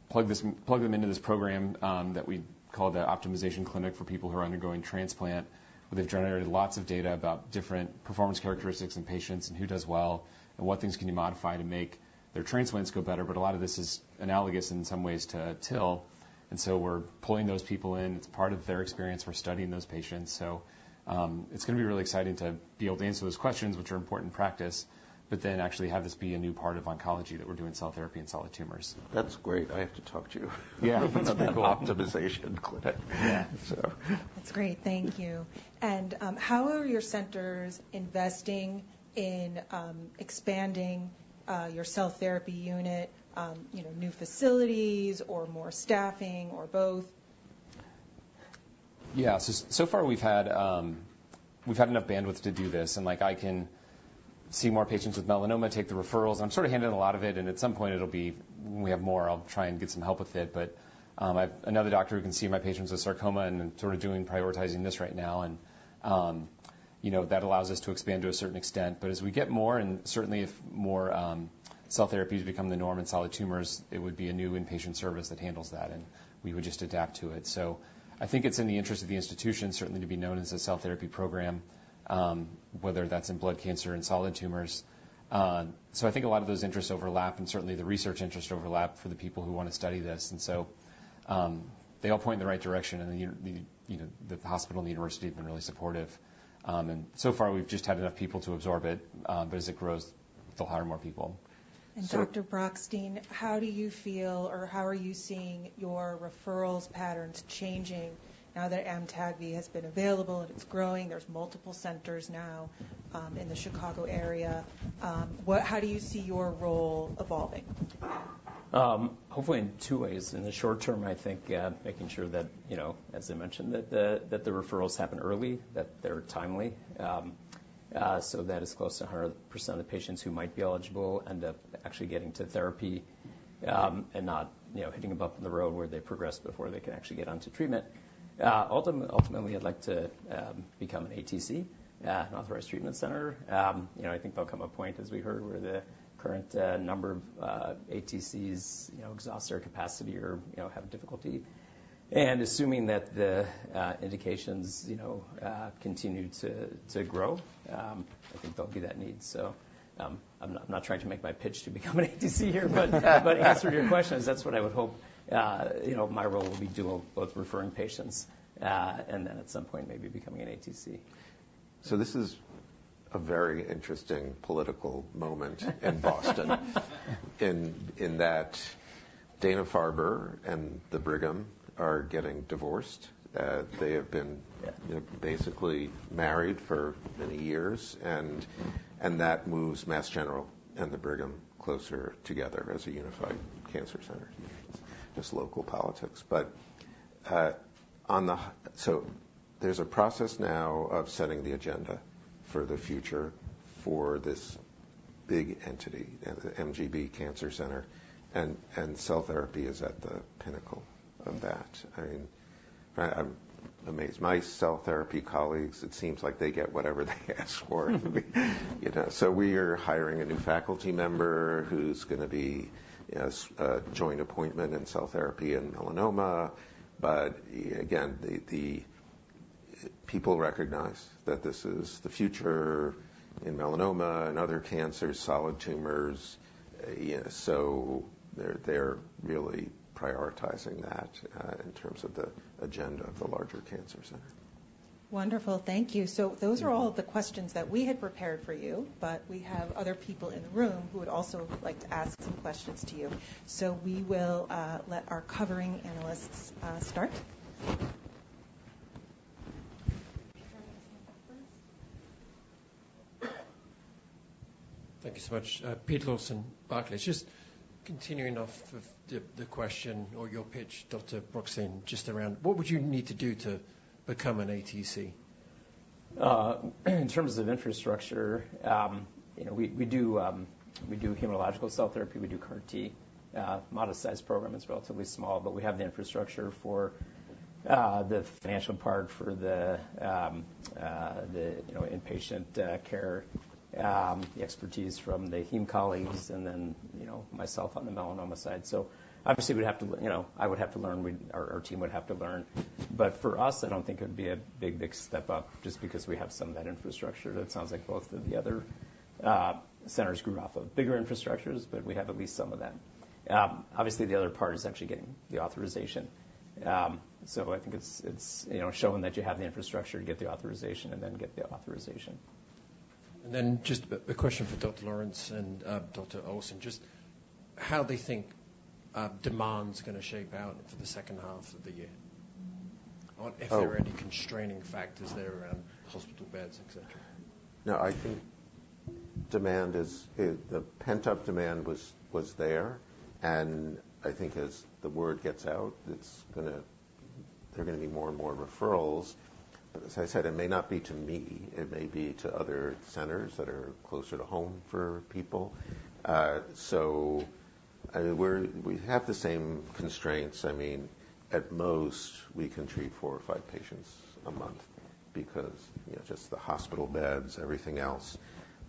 plug them into this program that we call the optimization clinic for people who are undergoing transplant, where they've generated lots of data about different performance characteristics in patients and who does well and what things can you modify to make their transplants go better. But a lot of this is analogous in some ways to TIL, and so we're pulling those people in. It's part of their experience. We're studying those patients. It's gonna be really exciting to be able to answer those questions, which are important in practice, but then actually have this be a new part of oncology, that we're doing cell therapy and solid tumors. That's great. I have to talk to you. Yeah. About the optimization clinic. Yeah. So. That's great. Thank you. How are your centers investing in expanding your cell therapy unit, you know, new facilities or more staffing or both? Yeah. So, so far, we've had enough bandwidth to do this, and like, I can see more patients with melanoma, take the referrals. I'm sort of handling a lot of it, and at some point, it'll be, when we have more, I'll try and get some help with it. But, I have another doctor who can see my patients with sarcoma and sort of doing... prioritizing this right now. And, you know, that allows us to expand to a certain extent. But as we get more, and certainly if more, cell therapies become the norm in solid tumors, it would be a new inpatient service that handles that, and we would just adapt to it. So I think it's in the interest of the institution, certainly to be known as a cell therapy program, whether that's in blood cancer and solid tumors. So I think a lot of those interests overlap, and certainly the research interests overlap for the people who want to study this. And so, they all point in the right direction, and the, you know, the hospital and the university have been really supportive. And so far, we've just had enough people to absorb it, but as it grows, they'll hire more people. Dr. Brockstein, how do you feel, or how are you seeing your referrals patterns changing now that AMTAGVI has been available and it's growing? There's multiple centers now in the Chicago area. How do you see your role evolving? Hopefully in two ways. In the short term, I think, making sure that, you know, as I mentioned, that the referrals happen early, that they're timely. So that is close to 100% of the patients who might be eligible end up actually getting to therapy, and not, you know, hitting a bump in the road where they progress before they can actually get onto treatment. Ultimately, I'd like to become an ATC, an authorized treatment center. You know, I think there'll come a point, as we heard, where the current number of ATCs, you know, exhaust their capacity or, you know, have difficulty. And assuming that the indications, you know, continue to grow, I think there'll be that need. I'm not trying to make my pitch to become an ATC here, but answer your question, that's what I would hope. You know, my role will be dual, both referring patients, and then at some point, maybe becoming an ATC. So this is a very interesting political moment in Boston. In that Dana-Farber and the Brigham are getting divorced. They have been, you know, basically married for many years, and that moves Mass General and the Brigham closer together as a unified cancer center. Just local politics, but so there's a process now of setting the agenda for the future for this big entity, the MGB Cancer Center, and cell therapy is at the pinnacle of that. I mean, I'm amazed. My cell therapy colleagues, it seems like they get whatever they ask for. You know, so we are hiring a new faculty member who's gonna be, as, joint appointment in cell therapy and melanoma. But again, the people recognize that this is the future in melanoma and other cancers, solid tumors, you know, so they're really prioritizing that in terms of the agenda of the larger cancer center. Wonderful. Thank you. So those are all of the questions that we had prepared for you, but we have other people in the room who would also like to ask some questions to you. So we will let our covering analysts start. Do you want to start off first? Thank you so much. Pete Lawson, Barclays. Just continuing off of the question or your pitch, Dr. Brockstein, just around what would you need to do to become an ATC? In terms of infrastructure, you know, we do hematological cell therapy, we do CAR T, modest-sized program. It's relatively small, but we have the infrastructure for the financial part, for the inpatient care, the expertise from the heme colleagues and then, you know, myself on the melanoma side. So obviously, we'd have to, you know, I would have to learn, our team would have to learn. But for us, I don't think it would be a big, big step up just because we have some of that infrastructure. That sounds like both of the other centers grew off of bigger infrastructures, but we have at least some of that. Obviously, the other part is actually getting the authorization. I think it's, you know, showing that you have the infrastructure to get the authorization and then get the authorization. Then just a question for Dr. Lawrence and Dr. Olson. Just how they think demand's gonna shape out for the second half of the year? Oh. If there are any constraining factors there around hospital beds, et cetera. No, I think demand is it, the pent-up demand was there, and I think as the word gets out, it's gonna... there are gonna be more and more referrals. But as I said, it may not be to me, it may be to other centers that are closer to home for people. So, I mean, we have the same constraints. I mean, at most, we can treat four or five patients a month because, you know, just the hospital beds, everything else.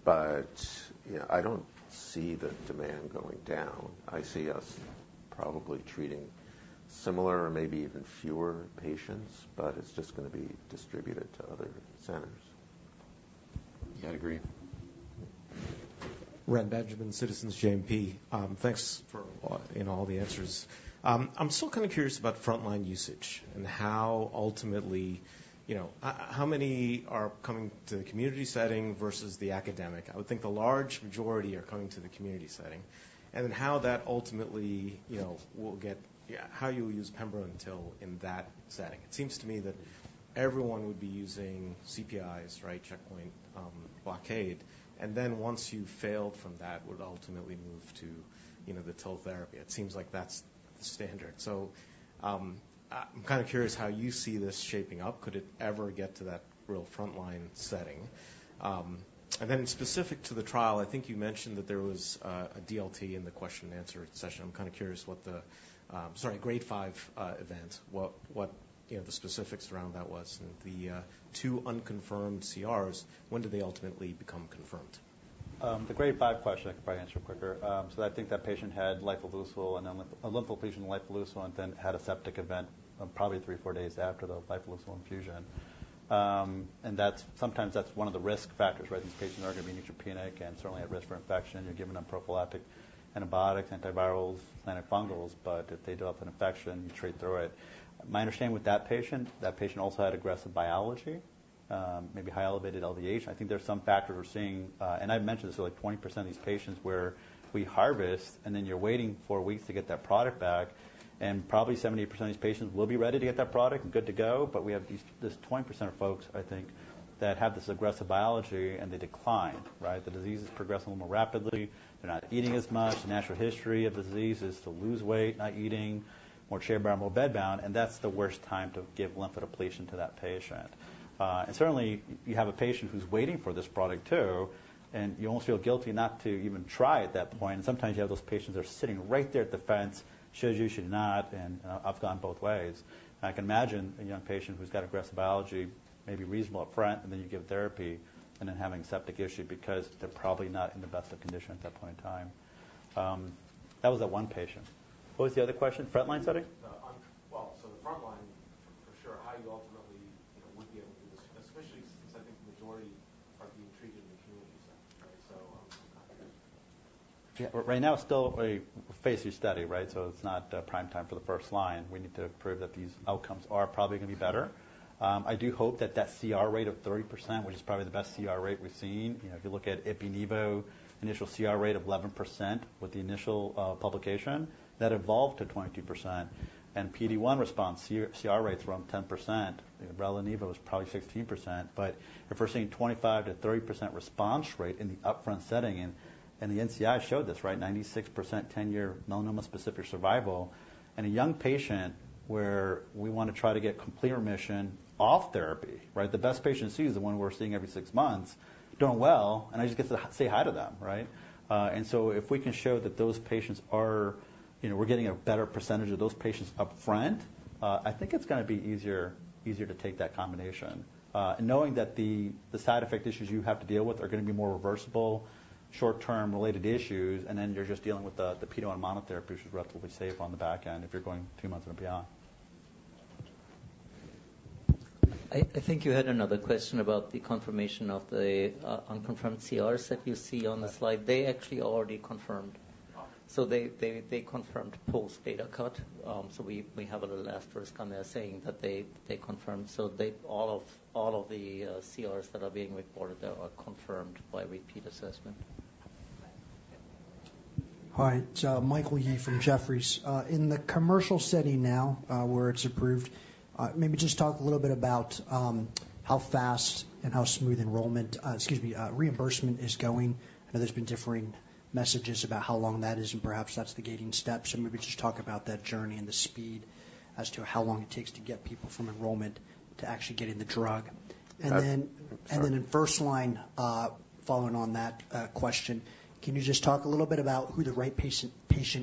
But, you know, I don't see the demand going down. I see us probably treating similar or maybe even fewer patients, but it's just gonna be distributed to other centers. I agree. Mm-hmm. Reni Benjamin, Citizens JMP. Thanks for, you know, all the answers. I'm still kind of curious about frontline usage and how ultimately, you know, how many are coming to the community setting versus the academic? I would think the large majority are coming to the community setting. And then how that ultimately, you know, will get... Yeah, how you use pembro until in that setting. It seems to me that everyone would be using CPIs, right, checkpoint blockade, and then once you failed from that, would ultimately move to, you know, the TIL therapy. It seems like that's the standard. So, I'm kind of curious how you see this shaping up. Could it ever get to that real frontline setting? And then specific to the trial, I think you mentioned that there was a DLT in the question and answer session. I'm kind of curious what the grade 5 event was, you know, the specifics around that, and the two unconfirmed CRs, when did they ultimately become confirmed? The grade 5 question I can probably answer quicker. So I think that patient had liposuction and then a lymphodepletion, and then had a septic event, probably 3 or 4 days after the liposuction infusion. And that's sometimes one of the risk factors, right? These patients are gonna be neutropenic and certainly at risk for infection. You're giving them prophylactic antibiotics, antivirals, antifungals, but if they develop an infection, you treat through it. My understanding with that patient, that patient also had aggressive biology, maybe high elevated LDH. I think there's some factor we're seeing, and I've mentioned this, like 20% of these patients where we harvest, and then you're waiting 4 weeks to get that product back, and probably 70% of these patients will be ready to get that product and good to go, but we have these, this 20% of folks, I think, that have this aggressive biology, and they decline, right? The disease is progressing more rapidly. They're not eating as much. Natural history of the disease is to lose weight, not eating, more chair bound, more bed bound, and that's the worst time to give lymph depletion to that patient. And certainly, you have a patient who's waiting for this product too, and you almost feel guilty not to even try at that point. Sometimes you have those patients that are sitting right there at the fence, should you, should not, and, I've gone both ways. I can imagine a young patient who's got aggressive biology, maybe reasonable up front, and then you give therapy and then having septic issue because they're probably not in the best of condition at that point in time. That was the one patient. What was the other question? Frontline setting? Well, so the frontline for sure, how you ultimately, you know, would be able to do this, especially since I think the majority are being treated in the community?... Yeah, but right now it's still a phase 2 study, right? So it's not prime time for the first line. We need to prove that these outcomes are probably gonna be better. I do hope that that CR rate of 30%, which is probably the best CR rate we've seen. You know, if you look at ipi-nivo, initial CR rate of 11% with the initial publication, that evolved to 22%. And PD-1 response CR rates were around 10%. You know, rela-nivo was probably 16%, but if we're seeing 25%-30% response rate in the upfront setting and the NCI showed this, right? 96% ten-year melanoma specific survival in a young patient, where we wanna try to get complete remission off therapy, right? The best patient to see is the one we're seeing every six months, doing well, and I just get to say hi to them, right? And so if we can show that those patients are, you know, we're getting a better percentage of those patients upfront, I think it's gonna be easier, easier to take that combination. And knowing that the, the side effect issues you have to deal with are gonna be more reversible, short-term related issues, and then you're just dealing with the, the PD-1 monotherapy, which is relatively safe on the back end if you're going two months and beyond. I think you had another question about the confirmation of the unconfirmed CRs that you see on the slide. They actually already confirmed. Oh. So they confirmed post-data cut. So we have a little asterisk on there saying that they confirmed. So all of the CRs that are being reported there are confirmed by repeat assessment. Hi, it's Michael Yee from Jefferies. In the commercial setting now, where it's approved, maybe just talk a little bit about how fast and how smooth enrollment, excuse me, reimbursement is going. I know there's been differing messages about how long that is, and perhaps that's the gating steps. So maybe just talk about that journey and the speed as to how long it takes to get people from enrollment to actually getting the drug. Uh, sorry. And then in first line, following on that question, can you just talk a little bit about who the right patient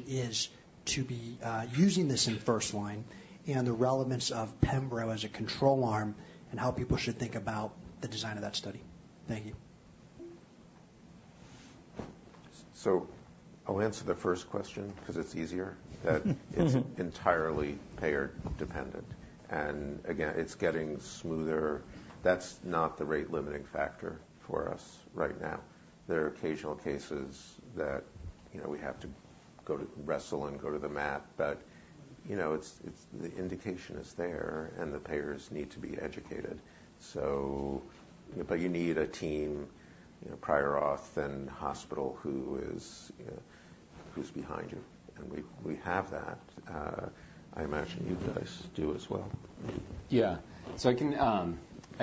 is to be using this in first line, and the relevance of pembro as a control arm and how people should think about the design of that study? Thank you. So I'll answer the first question, 'cause it's easier. That it's entirely payer dependent. And again, it's getting smoother. That's not the rate limiting factor for us right now. There are occasional cases that, you know, we have to go to wrestle and go to the mat, but, you know, it's, it's the indication is there, and the payers need to be educated. So... But you need a team, you know, prior auth and hospital, who is, who's behind you, and we, we have that. I imagine you guys do as well. Yeah. So I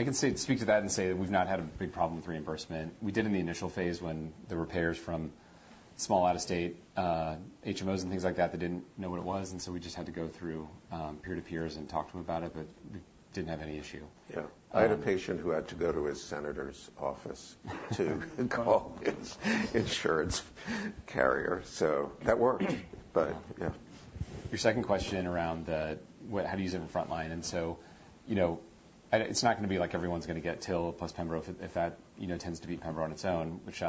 can speak to that and say that we've not had a big problem with reimbursement. We did in the initial phase when there were payers from small out-of-state, HMOs and things like that, that didn't know what it was, and so we just had to go through, peer to peers and talk to them about it, but we didn't have any issue. Yeah. I had a patient who had to go to his senator's office to call his insurance carrier, so that worked. But yeah. Your second question around what, how do you use it in frontline? And so, you know, and it's not gonna be like everyone's gonna get TIL plus pembro, if that, you know, tends to be pembro on its own, which,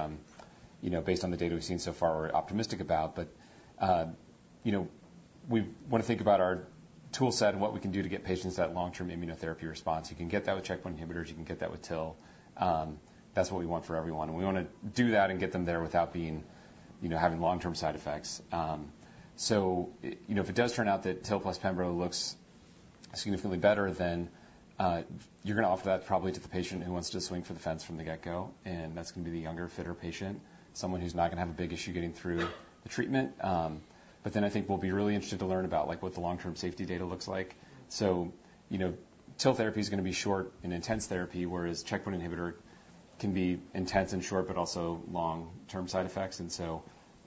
you know, based on the data we've seen so far, we're optimistic about. But, you know, we wanna think about our tool set and what we can do to get patients that long-term immunotherapy response. You can get that with checkpoint inhibitors. You can get that with TIL. That's what we want for everyone, and we wanna do that and get them there without being, you know, having long-term side effects. So, you know, if it does turn out that TIL plus pembro looks significantly better, then you're gonna offer that probably to the patient who wants to swing for the fence from the get-go, and that's gonna be the younger, fitter patient, someone who's not gonna have a big issue getting through the treatment. But then I think we'll be really interested to learn about, like, what the long-term safety data looks like. So, you know, TIL therapy is gonna be short and intense therapy, whereas checkpoint inhibitor can be intense and short, but also long-term side effects. And so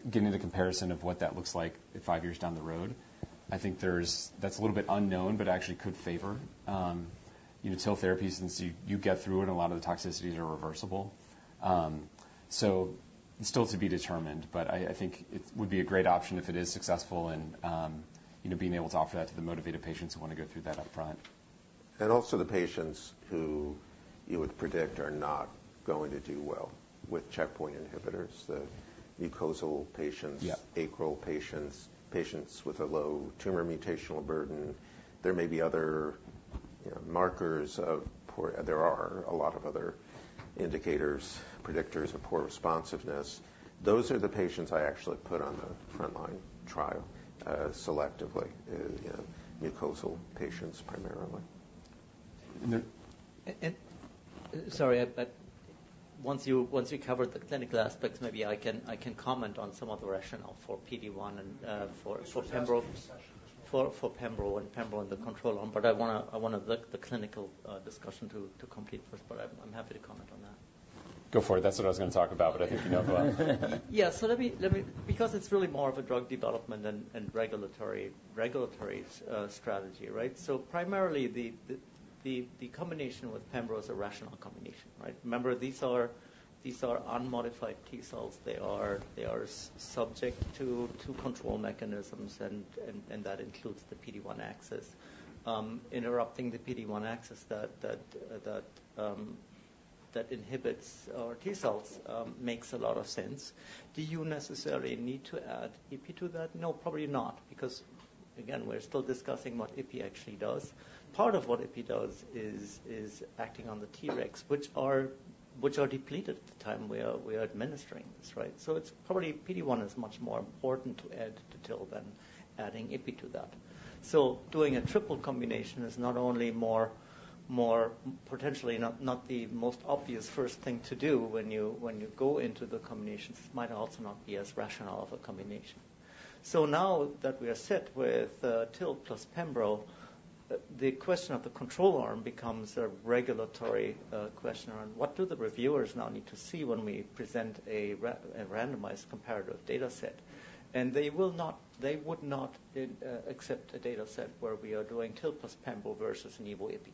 getting the comparison of what that looks like five years down the road, I think there's... That's a little bit unknown, but actually could favor, you know, TIL therapy, since you, you get through it, a lot of the toxicities are reversible. So it's still to be determined, but I think it would be a great option if it is successful and, you know, being able to offer that to the motivated patients who wanna go through that upfront. And also the patients who you would predict are not going to do well with checkpoint inhibitors, the mucosal patients- Yeah. acral patients, patients with a low tumor mutational burden. There may be other, you know, markers of poor... There are a lot of other indicators, predictors of poor responsiveness. Those are the patients I actually put on the frontline trial, selectively, you know, mucosal patients primarily. And then- Sorry, but once you cover the clinical aspects, maybe I can comment on some of the rationale for PD-1 and for pembro- Session. For pembro and the control arm, but I wanna let the clinical discussion to complete first, but I'm happy to comment on that. Go for it. That's what I was gonna talk about, but I think you know about. Yeah. So let me... Because it's really more of a drug development and regulatory strategy, right? So primarily, the combination with pembro is a rational combination, right? Remember, these are unmodified T cells. They are subject to control mechanisms, and that includes the PD-1 axis. Interrupting the PD-1 axis that inhibits our T cells makes a lot of sense. Do you necessarily need to add IP to that? No, probably not, because-... again, we're still discussing what Ipi actually does. Part of what Ipi does is acting on the T-regs, which are depleted at the time we are administering this, right? So it's probably PD-1 is much more important to add to TIL than adding Ipi to that. So doing a triple combination is not only more potentially not the most obvious first thing to do when you go into the combinations, might also not be as rational of a combination. So now that we are set with TIL plus Pembro, the question of the control arm becomes a regulatory question around what do the reviewers now need to see when we present a randomized comparative data set? And they will not—they would not accept a data set where we are doing TIL plus Pembo versus Nivo/Ipi.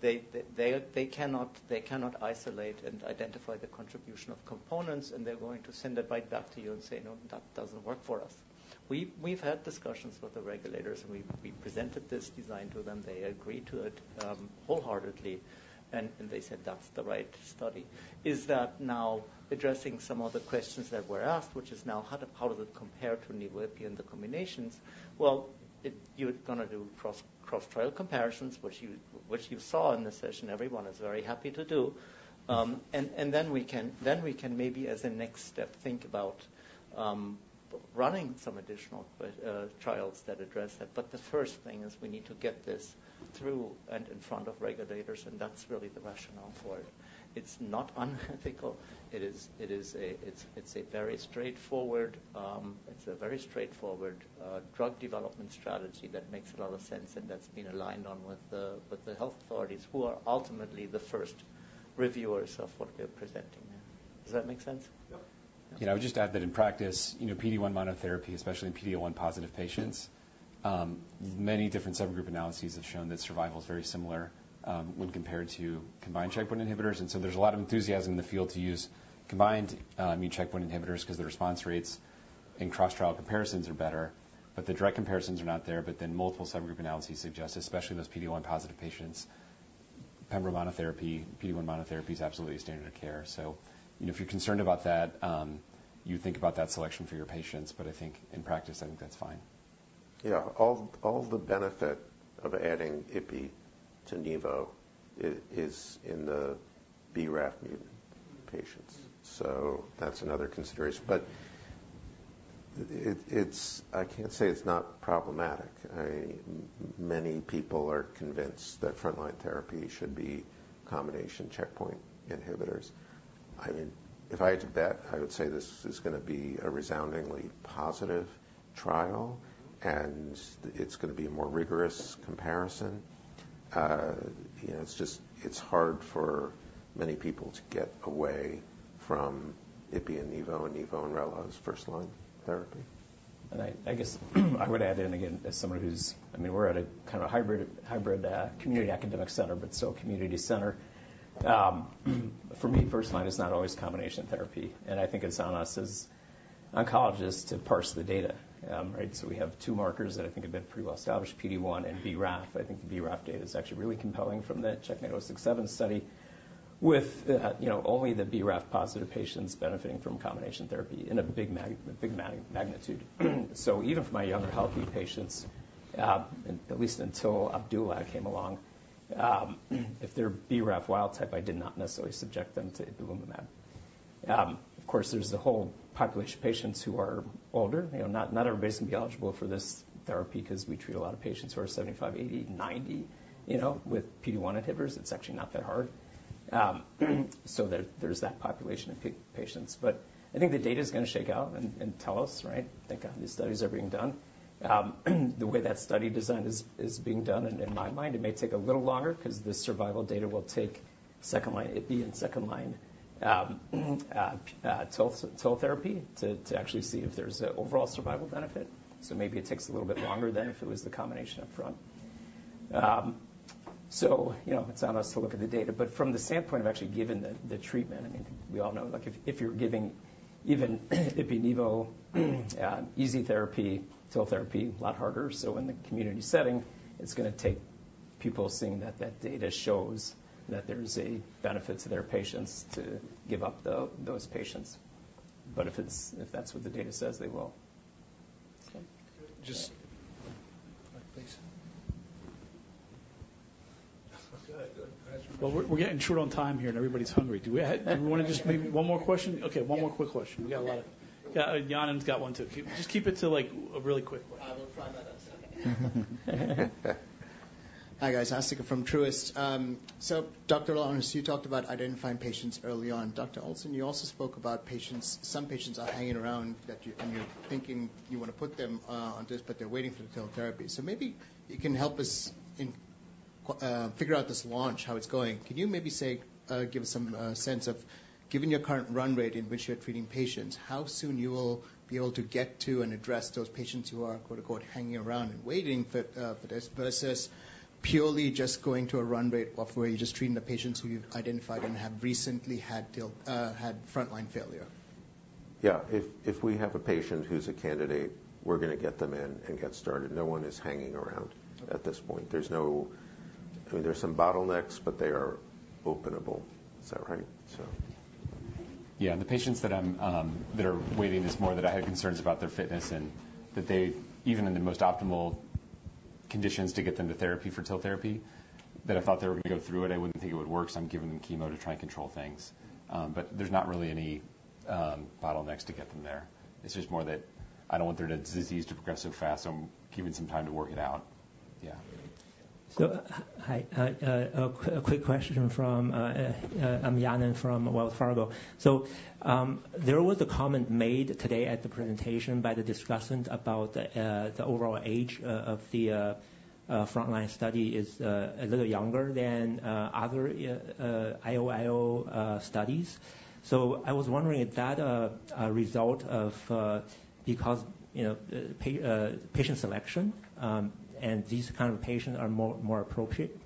They cannot isolate and identify the contribution of components, and they're going to send it right back to you and say, "No, that doesn't work for us." We've had discussions with the regulators, and we presented this design to them. They agreed to it wholeheartedly, and they said that's the right study. Is that now addressing some of the questions that were asked, which is now how does it compare to Nivo/Ipi in the combinations? Well, you're gonna do cross trial comparisons, which you saw in this session. Everyone is very happy to do. And then we can maybe, as a next step, think about running some additional trials that address that. But the first thing is we need to get this through and in front of regulators, and that's really the rationale for it. It's not unethical. It is a very straightforward drug development strategy that makes a lot of sense, and that's been aligned on with the health authorities, who are ultimately the first reviewers of what we're presenting there. Does that make sense? Yeah. You know, I would just add that in practice, you know, PD-1 monotherapy, especially in PD-L1 positive patients, many different subgroup analyses have shown that survival is very similar, when compared to combined checkpoint inhibitors. And so there's a lot of enthusiasm in the field to use combined, immune checkpoint inhibitors because the response rates in cross-trial comparisons are better, but the direct comparisons are not there. But then multiple subgroup analyses suggest, especially in those PD-1 positive patients, Pembro monotherapy, PD-1 monotherapy is absolutely a standard of care. So, you know, if you're concerned about that, you think about that selection for your patients, but I think in practice, I think that's fine. Yeah. All the benefit of adding Ipi to Nivo is in the BRAF mutant patients. So that's another consideration. But it's-- I can't say it's not problematic. Many people are convinced that frontline therapy should be combination checkpoint inhibitors. I mean, if I had to bet, I would say this is gonna be a resoundingly positive trial, and it's gonna be a more rigorous comparison. You know, it's just, it's hard for many people to get away from Ipi and Nivo and Nivo and Rela as first-line therapy. I guess I would add in again, as someone who's—I mean, we're at a kinda hybrid community academic center, but still a community center. For me, first line is not always combination therapy, and I think it's on us as oncologists to parse the data. Right? So we have two markers that I think have been pretty well established, PD-1 and BRAF. I think the BRAF data is actually really compelling from the CheckMate-067 study, with you know, only the BRAF positive patients benefiting from combination therapy in a big magnitude. So even for my younger, healthy patients, at least until Opdualag came along, if they're BRAF wild type, I did not necessarily subject them to Ipilimumab. Of course, there's the whole population of patients who are older. You know, not everybody's going to be eligible for this therapy because we treat a lot of patients who are 75, 80, 90, you know, with PD-1 inhibitors. It's actually not that hard. So there, there's that population of patients. But I think the data is gonna shake out and tell us, right? Thank God, these studies are being done. The way that study design is being done, and in my mind, it may take a little longer because the survival data will take second line, Ipi and second line, TIL therapy to actually see if there's an overall survival benefit. So maybe it takes a little bit longer than if it was the combination up front. So you know, it's on us to look at the data, but from the standpoint of actually giving the treatment, I mean, we all know, like, if you're giving even Ipi/Nivo, IO therapy, TIL therapy, a lot harder. So in the community setting, it's gonna take people seeing that the data shows that there's a benefit to their patients to give up those patients. But if it's... If that's what the data says, they will. Okay. Just... Please. Go ahead. Go ahead. Well, we're getting short on time here, and everybody's hungry. Do we have - do we wanna just maybe one more question? Okay, one more quick question. We got a lot of... Yeah, Yanan's got one, too. Just keep it to, like, a really quick one. We'll find that out. Hi, guys. Asthika from Truist. So Dr. Lawrence, you talked about identifying patients early on. Dr. Olson, you also spoke about patients—some patients are hanging around that you—and you're thinking you want to put them on this, but they're waiting for the TIL therapy. So maybe you can help us in figure out this launch, how it's going. Can you maybe say give us some sense of, given your current run rate in which you're treating patients, how soon you will be able to get to and address those patients who are, quote, unquote, "hanging around" and waiting for for this versus purely just going to a run rate of where you're just treating the patients who you've identified and have recently had TIL had frontline failure? Yeah. If, if we have a patient who's a candidate, we're gonna get them in and get started. No one is hanging around at this point. There's no... I mean, there's some bottlenecks, but they are openable. Is that right? So- ...Yeah, the patients that are waiting is more that I have concerns about their fitness and that they, even in the most optimal conditions to get them to therapy for TIL therapy, that I thought they were going to go through it. I wouldn't think it would work, so I'm giving them chemo to try and control things. But there's not really any bottlenecks to get them there. It's just more that I don't want their disease to progress so fast, so I'm giving some time to work it out. Yeah. So, hi. A quick question from, I'm Yanan from Wells Fargo. So, there was a comment made today at the presentation by the discussant about the overall age of the frontline study is a little younger than other IO studies. So I was wondering if that a result of because, you know, patient selection, and these kind of patients are more appropriate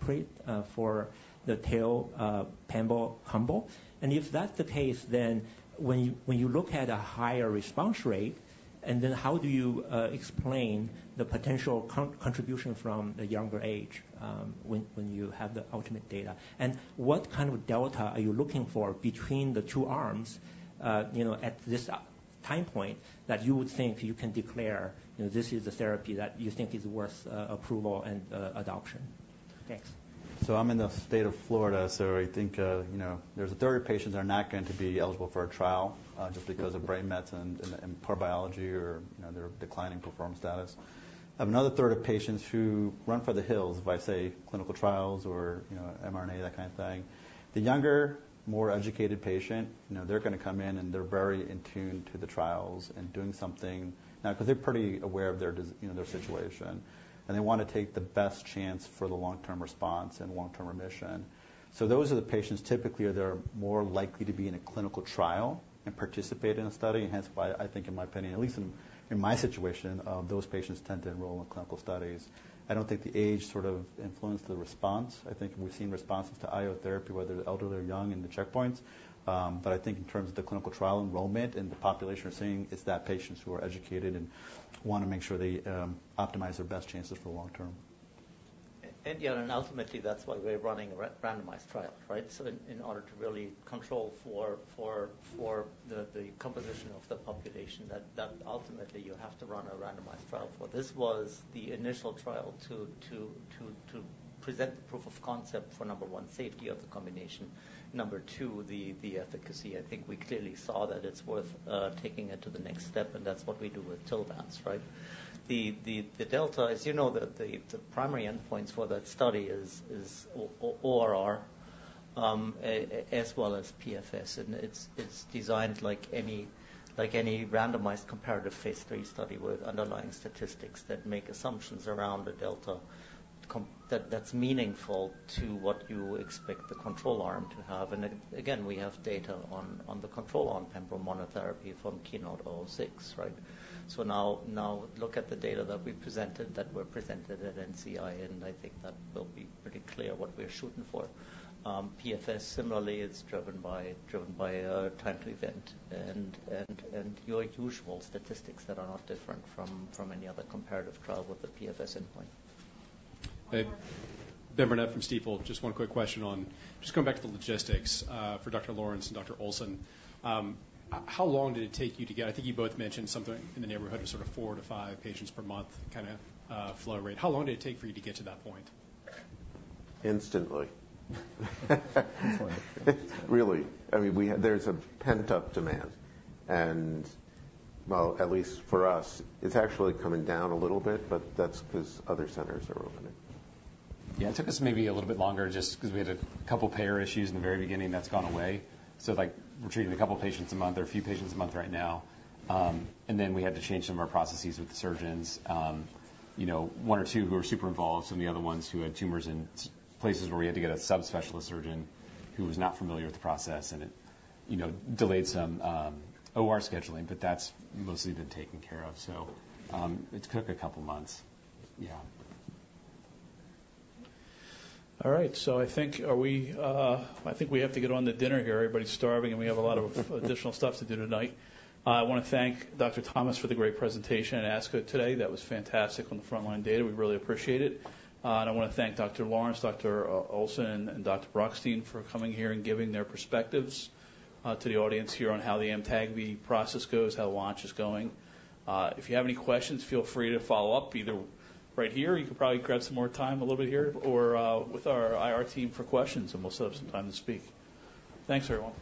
for the TIL pembro. And if that's the case, then when you look at a higher response rate, and then how do you explain the potential contribution from the younger age, when you have the ultimate data? What kind of delta are you looking for between the two arms, you know, at this time point, that you would think you can declare, you know, this is the therapy that you think is worth approval and adoption? Thanks. So I'm in the state of Florida, so I think, you know, there's a third of patients are not going to be eligible for a trial, just because of brain mets and, and poor biology or, you know, they're declining perform status. I have another third of patients who run for the hills if I say clinical trials or, you know, mRNA, that kind of thing. The younger, more educated patient, you know, they're gonna come in, and they're very in tune to the trials and doing something. Now, because they're pretty aware of their dis-- you know, their situation, and they want to take the best chance for the long-term response and long-term remission. So those are the patients, typically, they're more likely to be in a clinical trial and participate in a study. And hence, why I think, in my opinion, at least in, in my situation, those patients tend to enroll in clinical studies. I don't think the age sort of influenced the response. I think we've seen responses to IO therapy, whether they're elderly or young in the checkpoints. But I think in terms of the clinical trial enrollment and the population we're seeing, it's that patients who are educated and want to make sure they, optimize their best chances for long term. Yeah, ultimately, that's why we're running a randomized trial, right? So in order to really control for the composition of the population, ultimately you have to run a randomized trial. This was the initial trial to present the proof of concept for, number one, safety of the combination. Number two, the efficacy. I think we clearly saw that it's worth taking it to the next step, and that's what we do with TILVANCE, right? The delta, as you know, the primary endpoints for that study is ORR, as well as PFS. And it's designed like any randomized comparative phase 3 study with underlying statistics that make assumptions around the delta that that's meaningful to what you expect the control arm to have. Again, we have data on the control arm, pembro monotherapy from KEYNOTE-006, right? So now look at the data that we presented, that were presented at NCI, and I think that will be pretty clear what we're shooting for. PFS, similarly, it's driven by time to event and your usual statistics that are not different from any other comparative trial with the PFS endpoint. Okay. Ben Burnett from Stifel. Just one quick question on just coming back to the logistics for Dr. Lawrence and Dr. Olson. How long did it take you to get, I think you both mentioned something in the neighborhood of sort of 4-5 patients per month, kinda, flow rate. How long did it take for you to get to that point? Instantly. Really. I mean, we had-- there's a pent-up demand and... Well, at least for us, it's actually coming down a little bit, but that's because other centers are opening. Yeah, it took us maybe a little bit longer, just because we had a couple payer issues in the very beginning, that's gone away. So, like, we're treating a couple patients a month or a few patients a month right now. And then we had to change some of our processes with the surgeons. You know, one or two who are super involved, some of the other ones who had tumors in places where we had to get a subspecialist surgeon who was not familiar with the process, and it, you know, delayed some OR scheduling, but that's mostly been taken care of. So, it took a couple of months. Yeah. All right, I think we have to get on to dinner here. Everybody's starving, and we have a lot of additional stuff to do tonight. I wanna thank Dr. Thomas for the great presentation at ASCO today. That was fantastic on the frontline data. We really appreciate it. And I wanna thank Dr. Lawrence, Dr. Olson, and Dr. Brockstein for coming here and giving their perspectives to the audience here on how the Amtagvi process goes, how launch is going. If you have any questions, feel free to follow up, either right here, you can probably grab some more time a little bit here, or with our IR team for questions, and we'll still have some time to speak. Thanks, everyone.